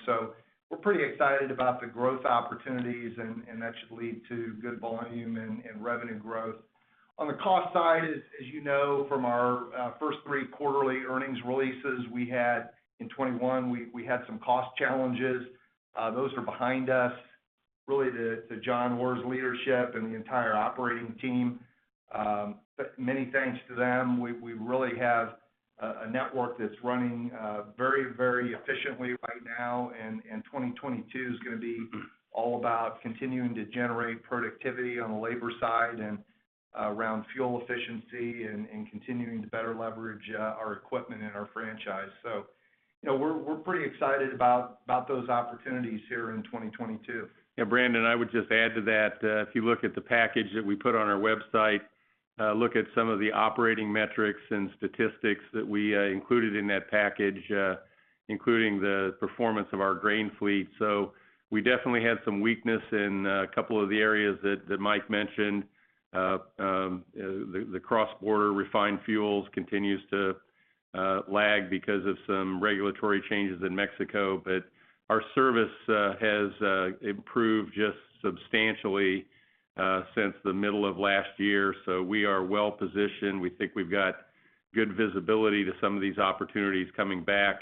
S13: We're pretty excited about the growth opportunities and that should lead to good volume and revenue growth. On the cost side, as you know from our first three quarterly earnings releases we had in 2021, we had some cost challenges. Those are behind us. Really, to John Orr's leadership and the entire operating team, many thanks to them. We really have a network that's running very, very efficiently right now. 2022 is gonna be all about continuing to generate productivity on the labor side and around fuel efficiency and continuing to better leverage our equipment and our franchise. You know, we're pretty excited about those opportunities here in 2022.
S14: Yeah, Brandon, I would just add to that, if you look at the package that we put on our website, look at some of the operating metrics and statistics that we included in that package, including the performance of our grain fleet. We definitely had some weakness in a couple of the areas that Mike mentioned. The cross-border refined fuels continues to lag because of some regulatory changes in Mexico. Our service has improved just substantially since the middle of last year. We are well positioned. We think we've got good visibility to some of these opportunities coming back.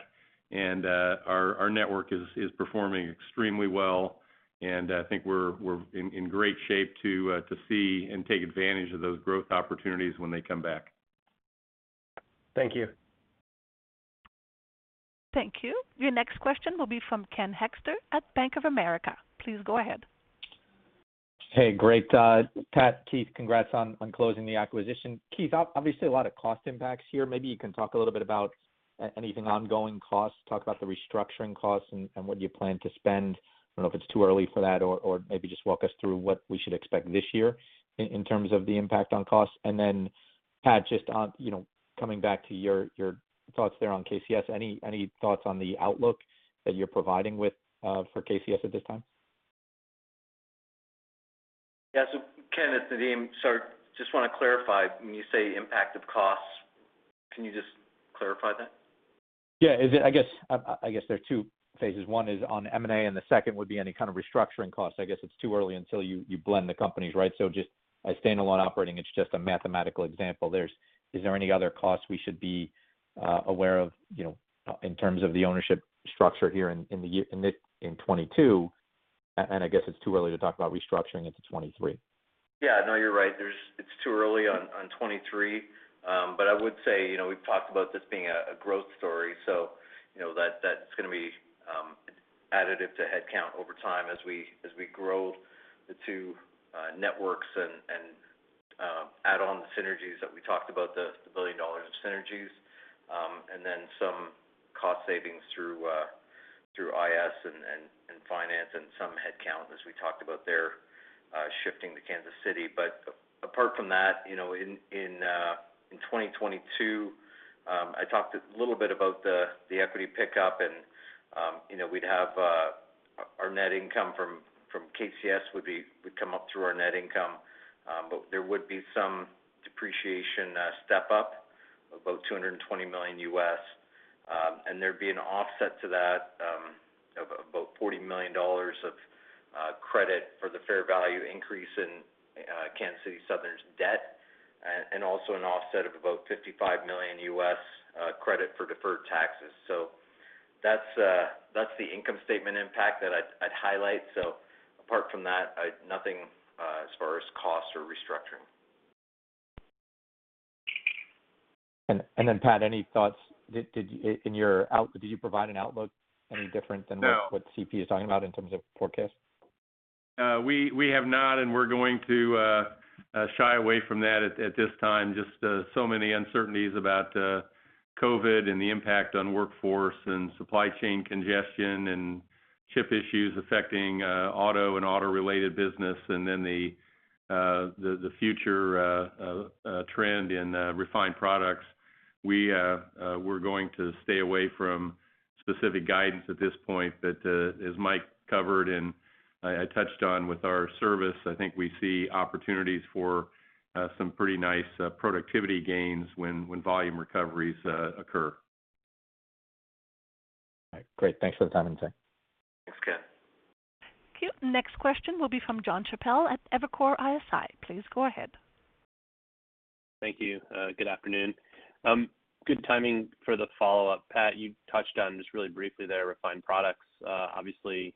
S14: Our network is performing extremely well. I think we're in great shape to see and take advantage of those growth opportunities when they come back.
S12: Thank you.
S1: Thank you. Your next question will be from Ken Hoexter at Bank of America. Please go ahead.
S15: Hey, great. Pat, Keith, congrats on closing the acquisition. Keith, obviously, a lot of cost impacts here. Maybe you can talk a little bit about anything ongoing costs, talk about the restructuring costs and what you plan to spend. I don't know if it's too early for that or maybe just walk us through what we should expect this year in terms of the impact on costs. Pat, just on, you know, coming back to your thoughts there on KCS, any thoughts on the outlook that you're providing with for KCS at this time?
S5: Yeah. Ken, it's Nadeem. Just wanna clarify, when you say impact of costs, can you just clarify that?
S15: I guess there are two phases. One is on M&A, and the second would be any kind of restructuring costs. I guess it's too early until you blend the companies, right? Just by standalone operating, it's just a mathematical example. Is there any other costs we should be aware of, you know, in terms of the ownership structure here in mid-2022? I guess it's too early to talk about restructuring into 2023.
S5: Yeah. No, you're right. It's too early in 2023. But I would say, you know, we've talked about this being a growth story. You know, that's gonna be additive to headcount over time as we grow the two networks and add on the synergies that we talked about, the $1 billion of synergies, and then some cost savings through IT and finance and some headcount as we talked about there, shifting to Kansas City. Apart from that, you know, in 2022, I talked a little bit about the equity pickup and, you know, we'd have our net income from KCS would come up through our net income, but there would be some depreciation step up of about $220 million. And there'd be an offset to that, of about $40 million of credit for the fair value increase in Kansas City Southern's debt, and also an offset of about $55 million credit for deferred taxes. That's the income statement impact that I'd highlight. Apart from that, nothing as far as costs or restructuring.
S15: Then, Pat, any thoughts? Did you provide an outlook any different than what?
S14: No...
S15: what CP is talking about in terms of forecast?
S14: We have not, and we're going to shy away from that at this time. Just so many uncertainties about COVID and the impact on workforce and supply chain congestion and chip issues affecting auto and auto-related business, and then the future trend in refined products. We're going to stay away from specific guidance at this point. As Mike covered and I touched on with our service, I think we see opportunities for some pretty nice productivity gains when volume recoveries occur.
S15: All right. Great. Thanks for the time and insight.
S14: Thanks, Ken.
S1: Thank you. Next question will be from Jonathan Chappell at Evercore ISI. Please go ahead.
S16: Thank you. Good afternoon. Good timing for the follow-up. Pat, you touched on just really briefly there refined products. Obviously,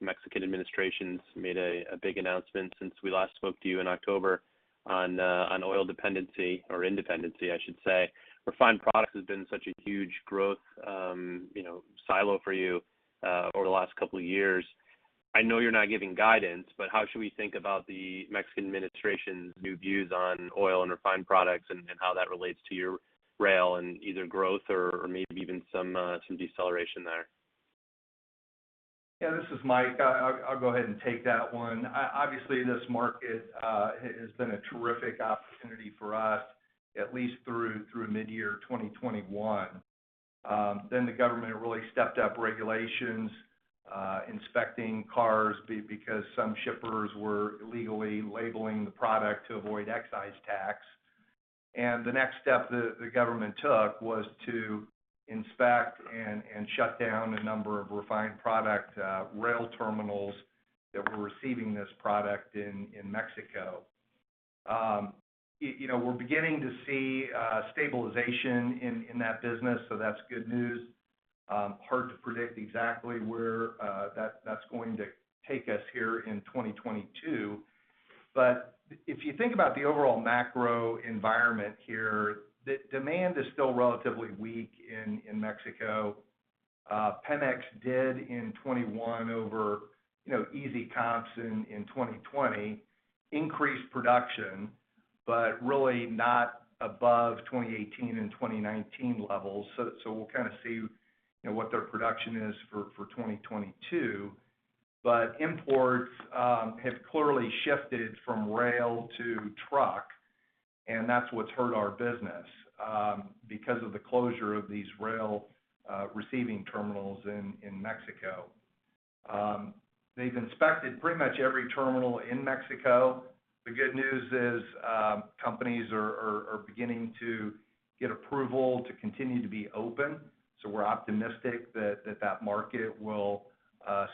S16: Mexican administration's made a big announcement since we last spoke to you in October on oil dependency or independency, I should say. Refined products has been such a huge growth, you know, silo for you over the last couple of years. I know you're not giving guidance, but how should we think about the Mexican administration's new views on oil and refined products and how that relates to your rail and either growth or maybe even some deceleration there?
S13: Yeah. This is Mike. I'll go ahead and take that one. Obviously, this market has been a terrific opportunity for us, at least through midyear 2021. Then the government really stepped up regulations, inspecting cars because some shippers were illegally labeling the product to avoid excise tax. The next step the government took was to inspect and shut down a number of refined product rail terminals that were receiving this product in Mexico. You know, we're beginning to see stabilization in that business, so that's good news. Hard to predict exactly where that's going to take us here in 2022. If you think about the overall macro environment here, the demand is still relatively weak in Mexico. Pemex did in 2021 over, you know, easy comps in 2020, increased production, but really not above 2018 and 2019 levels. We'll kind of see, you know, what their production is for 2022. Imports have clearly shifted from rail to truck, and that's what's hurt our business because of the closure of these rail receiving terminals in Mexico. They've inspected pretty much every terminal in Mexico. The good news is, companies are beginning to get approval to continue to be open. We're optimistic that market will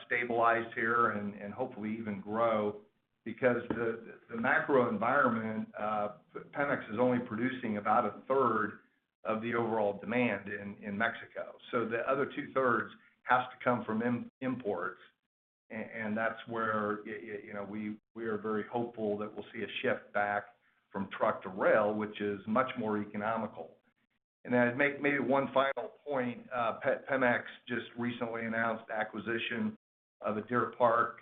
S13: stabilize here and hopefully even grow. Because the macro environment, Pemex is only producing about a third of the overall demand in Mexico. The other two-thirds has to come from imports and that's where, you know, we are very hopeful that we'll see a shift back from truck to rail, which is much more economical. Maybe one final point, Pemex just recently announced acquisition of a Deer Park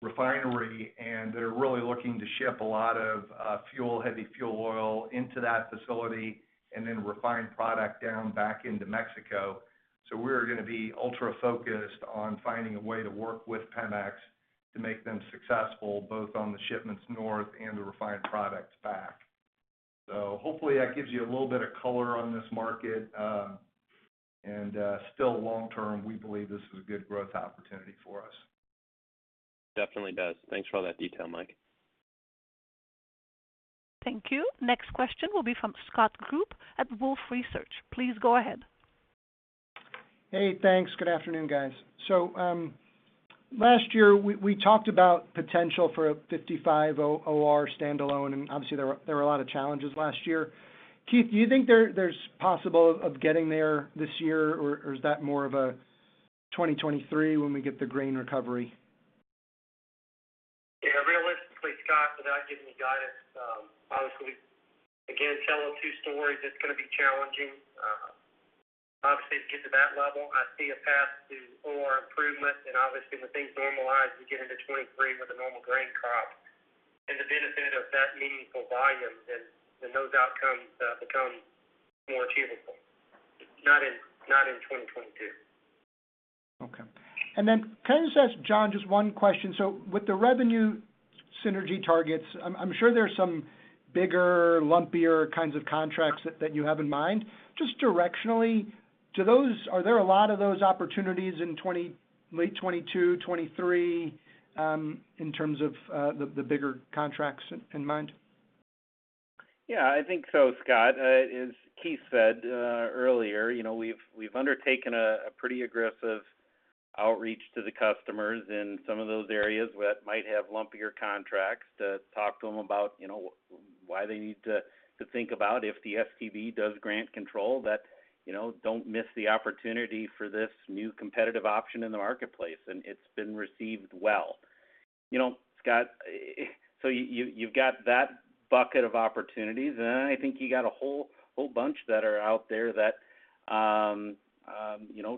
S13: refinery, and they're really looking to ship a lot of fuel, heavy fuel oil into that facility and then refined product down back into Mexico. We're gonna be ultra focused on finding a way to work with Pemex to make them successful, both on the shipments north and the refined products back. Hopefully that gives you a little bit of color on this market, and still long term, we believe this is a good growth opportunity for us.
S16: Definitely does. Thanks for all that detail, Mike.
S1: Thank you. Next question will be from Scott Group at Wolfe Research. Please go ahead.
S17: Hey, thanks. Good afternoon, guys. Last year we talked about potential for a 55 OR standalone, and obviously there were a lot of challenges last year. Keith, do you think it's possible to get there this year or is that more of a 2023 when we get the grain recovery?
S3: Yeah. Realistically, Scott, without giving you guidance, obviously again, telling two stories, it's gonna be challenging, obviously to get to that level. I see a path to OR improvement and obviously when things normalize, we get into 2023 with a normal grain crop. The benefit of that meaningful volume then those outcomes become more achievable. Not in 2022.
S17: Okay. Can I just ask John just one question? With the revenue synergy targets, I'm sure there are some bigger, lumpier kinds of contracts that you have in mind. Just directionally, are there a lot of those opportunities in late 2022, 2023, in terms of the bigger contracts in mind?
S4: Yeah, I think so, Scott. As Keith said earlier, you know, we've undertaken a pretty aggressive outreach to the customers in some of those areas that might have lumpier contracts to talk to them about, you know, why they need to think about if the STB does grant control that, you know, don't miss the opportunity for this new competitive option in the marketplace. It's been received well. You know, Scott, so you've got that bucket of opportunities, and then I think you got a whole bunch that are out there that, you know,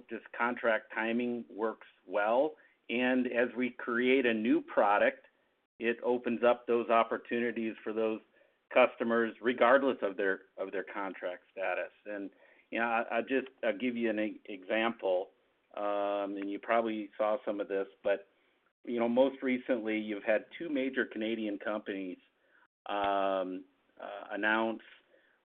S4: just contract timing works well. As we create a new product, it opens up those opportunities for those customers, regardless of their contract status. You know, I'll give you an example, and you probably saw some of this, but you know, most recently you've had two major Canadian companies announce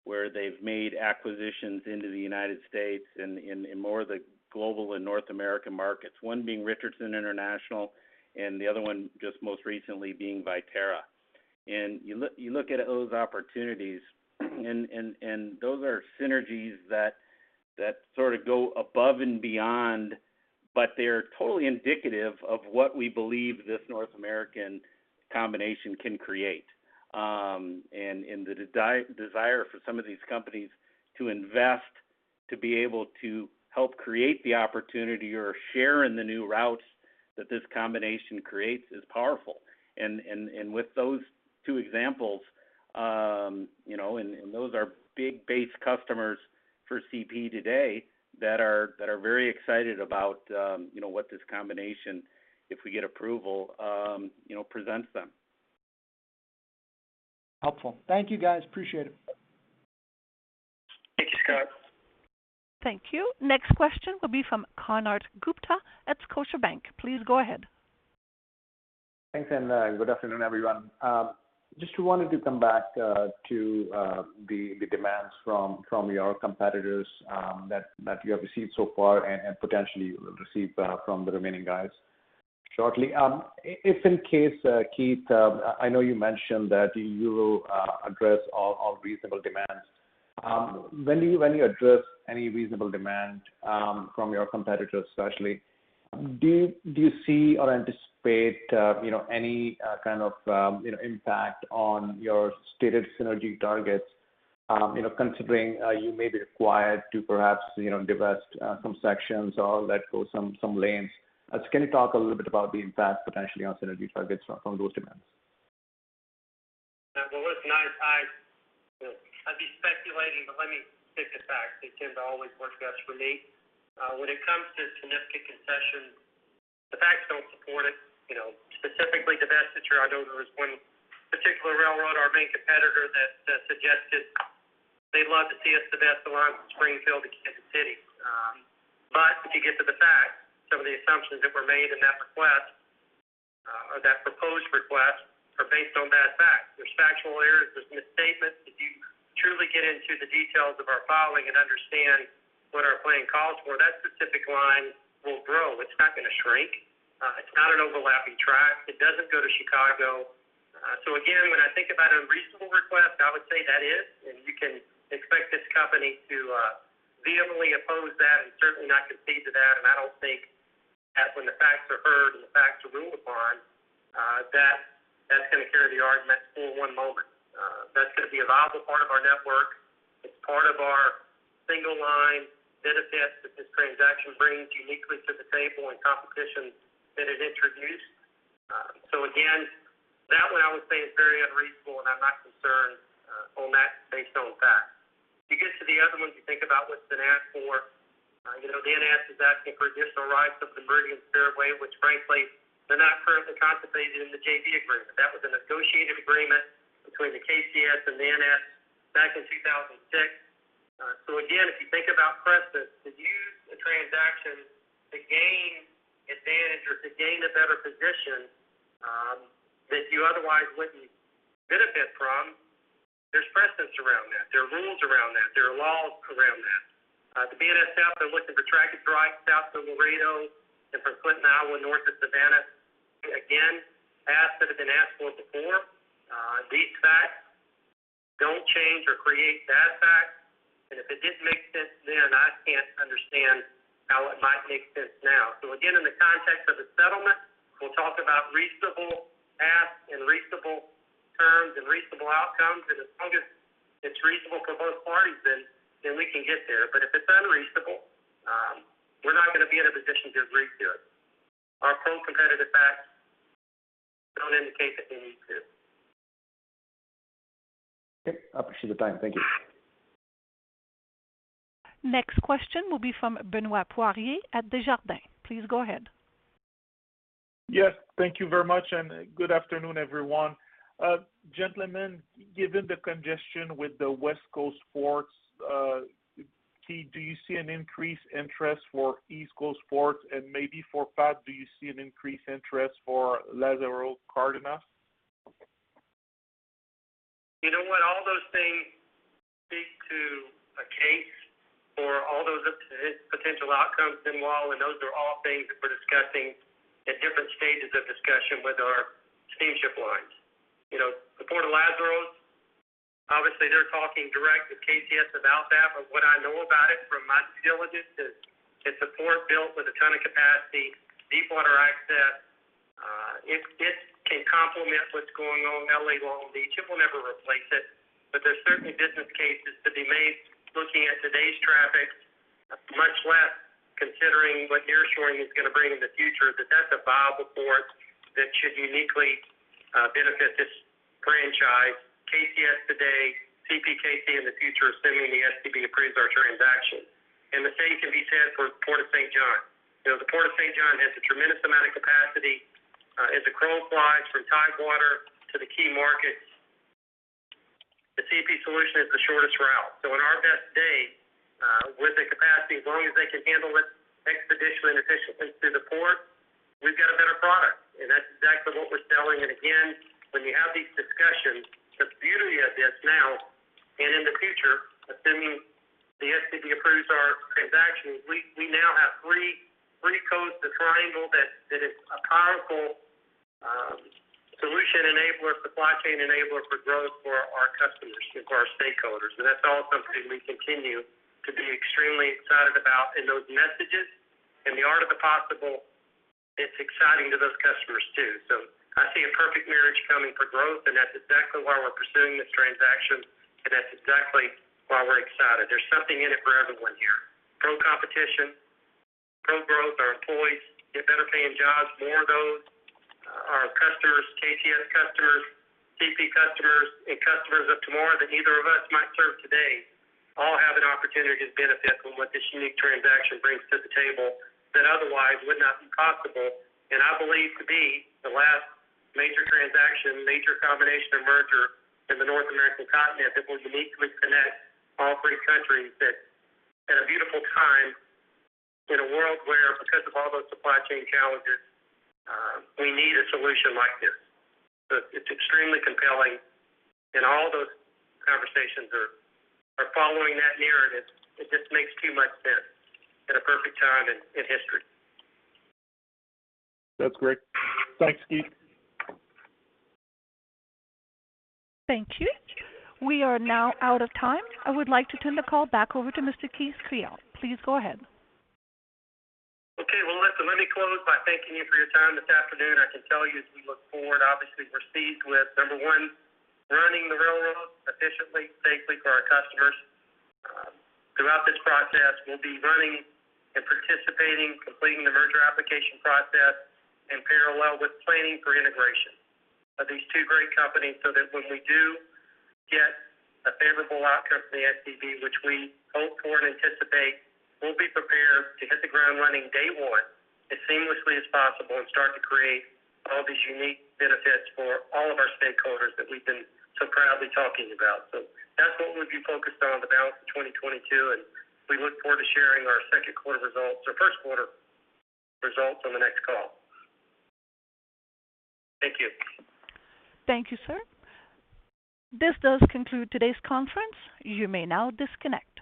S4: where they've made acquisitions into the United States in more of the global and North American markets, one being Richardson International and the other one just most recently being Viterra. You look at those opportunities and those are synergies that sort of go above and beyond, but they're totally indicative of what we believe this North American combination can create. The desire for some of these companies to invest, to be able to help create the opportunity or share in the new routes that this combination creates is powerful. With those two examples, you know, those are big base customers for CP today that are very excited about, you know, what this combination, if we get approval, you know, presents them.
S17: Helpful. Thank you, guys. Appreciate it.
S3: Thank you, Scott.
S1: Thank you. Next question will be from Konark Gupta at Scotiabank. Please go ahead.
S18: Thanks, good afternoon, everyone. Just wanted to come back to the demands from your competitors that you have received so far and potentially will receive from the remaining guys shortly. If in case, Keith, I know you mentioned that you will address all reasonable demands. When you address any reasonable demand from your competitors, especially, do you see or anticipate any kind of impact on your stated synergy targets, you know, considering you may be required to perhaps divest some sections or let go some lanes? Can you talk a little bit about the impact potentially on synergy targets from those demands?
S3: Well, listen, I'd be speculating, but let me stick to facts. They tend to always work best for me. When it comes to significant concessions, the facts don't support it. You know, specifically divestiture, I know there was one particular railroad, our main competitor, that suggested they'd love to see us divest along Springfield to Kansas City. If you get to the facts, some of the assumptions that were made in that request, or that proposed request, are based on bad facts. There's factual errors, there's misstatements. If you truly get into the details of our filing and understand what our plan calls for, that specific line will grow. It's not gonna shrink. It's not an overlapping track. It doesn't go to Chicago. I would say that is, and you can expect this company to vehemently oppose that and certainly not concede to that. I don't think that when the facts are heard and the facts are ruled upon, that that's gonna carry the argument for one moment. That's gonna be a viable part of our network. It's part of our single line benefits that this transaction brings uniquely to the table and competition that it introduced. Again, that one I would say is very unreasonable, and I'm not concerned on that based on fact. You get to the other ones, you think about what's been asked for. You know, the NS is asking for additional rights up in Meridian and Fairway, which frankly, they're not currently contemplated in the JV agreement. That was a negotiated agreement between the KCS and the NS back in 2006. Again, if you think about precedence, to use the transaction to gain advantage or to gain a better position, that you otherwise wouldn't benefit from, there's precedence around that. There are rules around that. There are laws around that. The BNSF, they're looking for trackage rights south of Laredo and from Clinton, Iowa, north of Sabula. Again, asks that have been asked for before. These facts don't change or create that fact. If it didn't make sense then, I can't understand how it might make sense now. Again, in the context of the settlement, we'll talk about reasonable asks and reasonable terms and reasonable outcomes. As long as it's reasonable for both parties, then we can get there. If it's unreasonable, we're not going to be in a position to agree to it. Our pro-competitive facts don't indicate that we need to.
S18: Okay. I appreciate the time. Thank you.
S1: Next question will be from Benoit Poirier at Desjardins. Please go ahead.
S19: Yes, thank you very much, and good afternoon, everyone. Gentlemen, given the congestion with the West Coast ports, Keith, do you see an increased interest for East Coast ports? Maybe for Pat, do you see an increased interest for Lázaro Cárdenas?
S3: You know what? All those things speak to a case for all those potential outcomes. Those are all things that we're discussing at different stages of discussion with our steamship lines. You know, the Port of Lázaro Cárdenas, obviously they're talking direct with KCS about that. What I know about it from my due diligence is it's a port built with a ton of capacity, deep water access. It can complement what's going on in L.A., Long Beach. It will never replace it. There's certainly business cases to be made looking at today's traffic, much less considering what nearshoring is going to bring in the future, that that's a viable port that should uniquely benefit this franchise. KCS today, CPKC in the future, assuming the STB approves our transaction. The same can be said for Port of Saint John. You know, the Port of Saint John has a tremendous amount of capacity. As the crow flies from Tidewater to the key markets, the CP solution is the shortest route. In our best day, with the capacity, as long as they can handle it expeditiously and efficiently through the port, we've got a better product. That's exactly what we're selling. Again, when you have these discussions, the beauty of this now and in the future, assuming the STB approves our transaction, we now have three coasts, the triangle that is a powerful solution enabler, supply chain enabler for growth for our customers and for our stakeholders. That's all something we continue to be extremely excited about. Those messages and the art of the possible, it's exciting to those customers, too. I see a perfect marriage coming for growth, and that's exactly why we're pursuing this transaction, and that's exactly why we're excited. There's something in it for everyone here. Pro competition, pro growth. Our employees get better paying jobs, more of those. Our customers, KCS customers, CP customers, and customers of tomorrow that neither of us might serve today all have an opportunity to benefit from what this unique transaction brings to the table that otherwise would not be possible. I believe to be the last major transaction, major combination and merger in the North American continent that will uniquely connect all three countries that at a beautiful time in a world where because of all those supply chain challenges, we need a solution like this. It's extremely compelling and all those conversations are following that narrative. It just makes too much sense at a perfect time in history.
S19: That's great. Thanks, Keith.
S1: Thank you. We are now out of time. I would like to turn the call back over to Mr. Keith Creel. Please go ahead.
S3: Okay. Well, listen, let me close by thanking you for your time this afternoon. I can tell you, as we look forward, obviously we're seized with, number one, running the railroad efficiently, safely for our customers. Throughout this process, we'll be running and participating, completing the merger application process in parallel with planning for integration of these two great companies so that when we do get a favorable outcome from the STB, which we hope for and anticipate, we'll be prepared to hit the ground running day one as seamlessly as possible and start to create all these unique benefits for all of our stakeholders that we've been so proudly talking about. That's what we'll be focused on the balance of 2022, and we look forward to sharing our second quarter results or first quarter results on the next call. Thank you.
S1: Thank you, sir. This does conclude today's conference. You may now disconnect.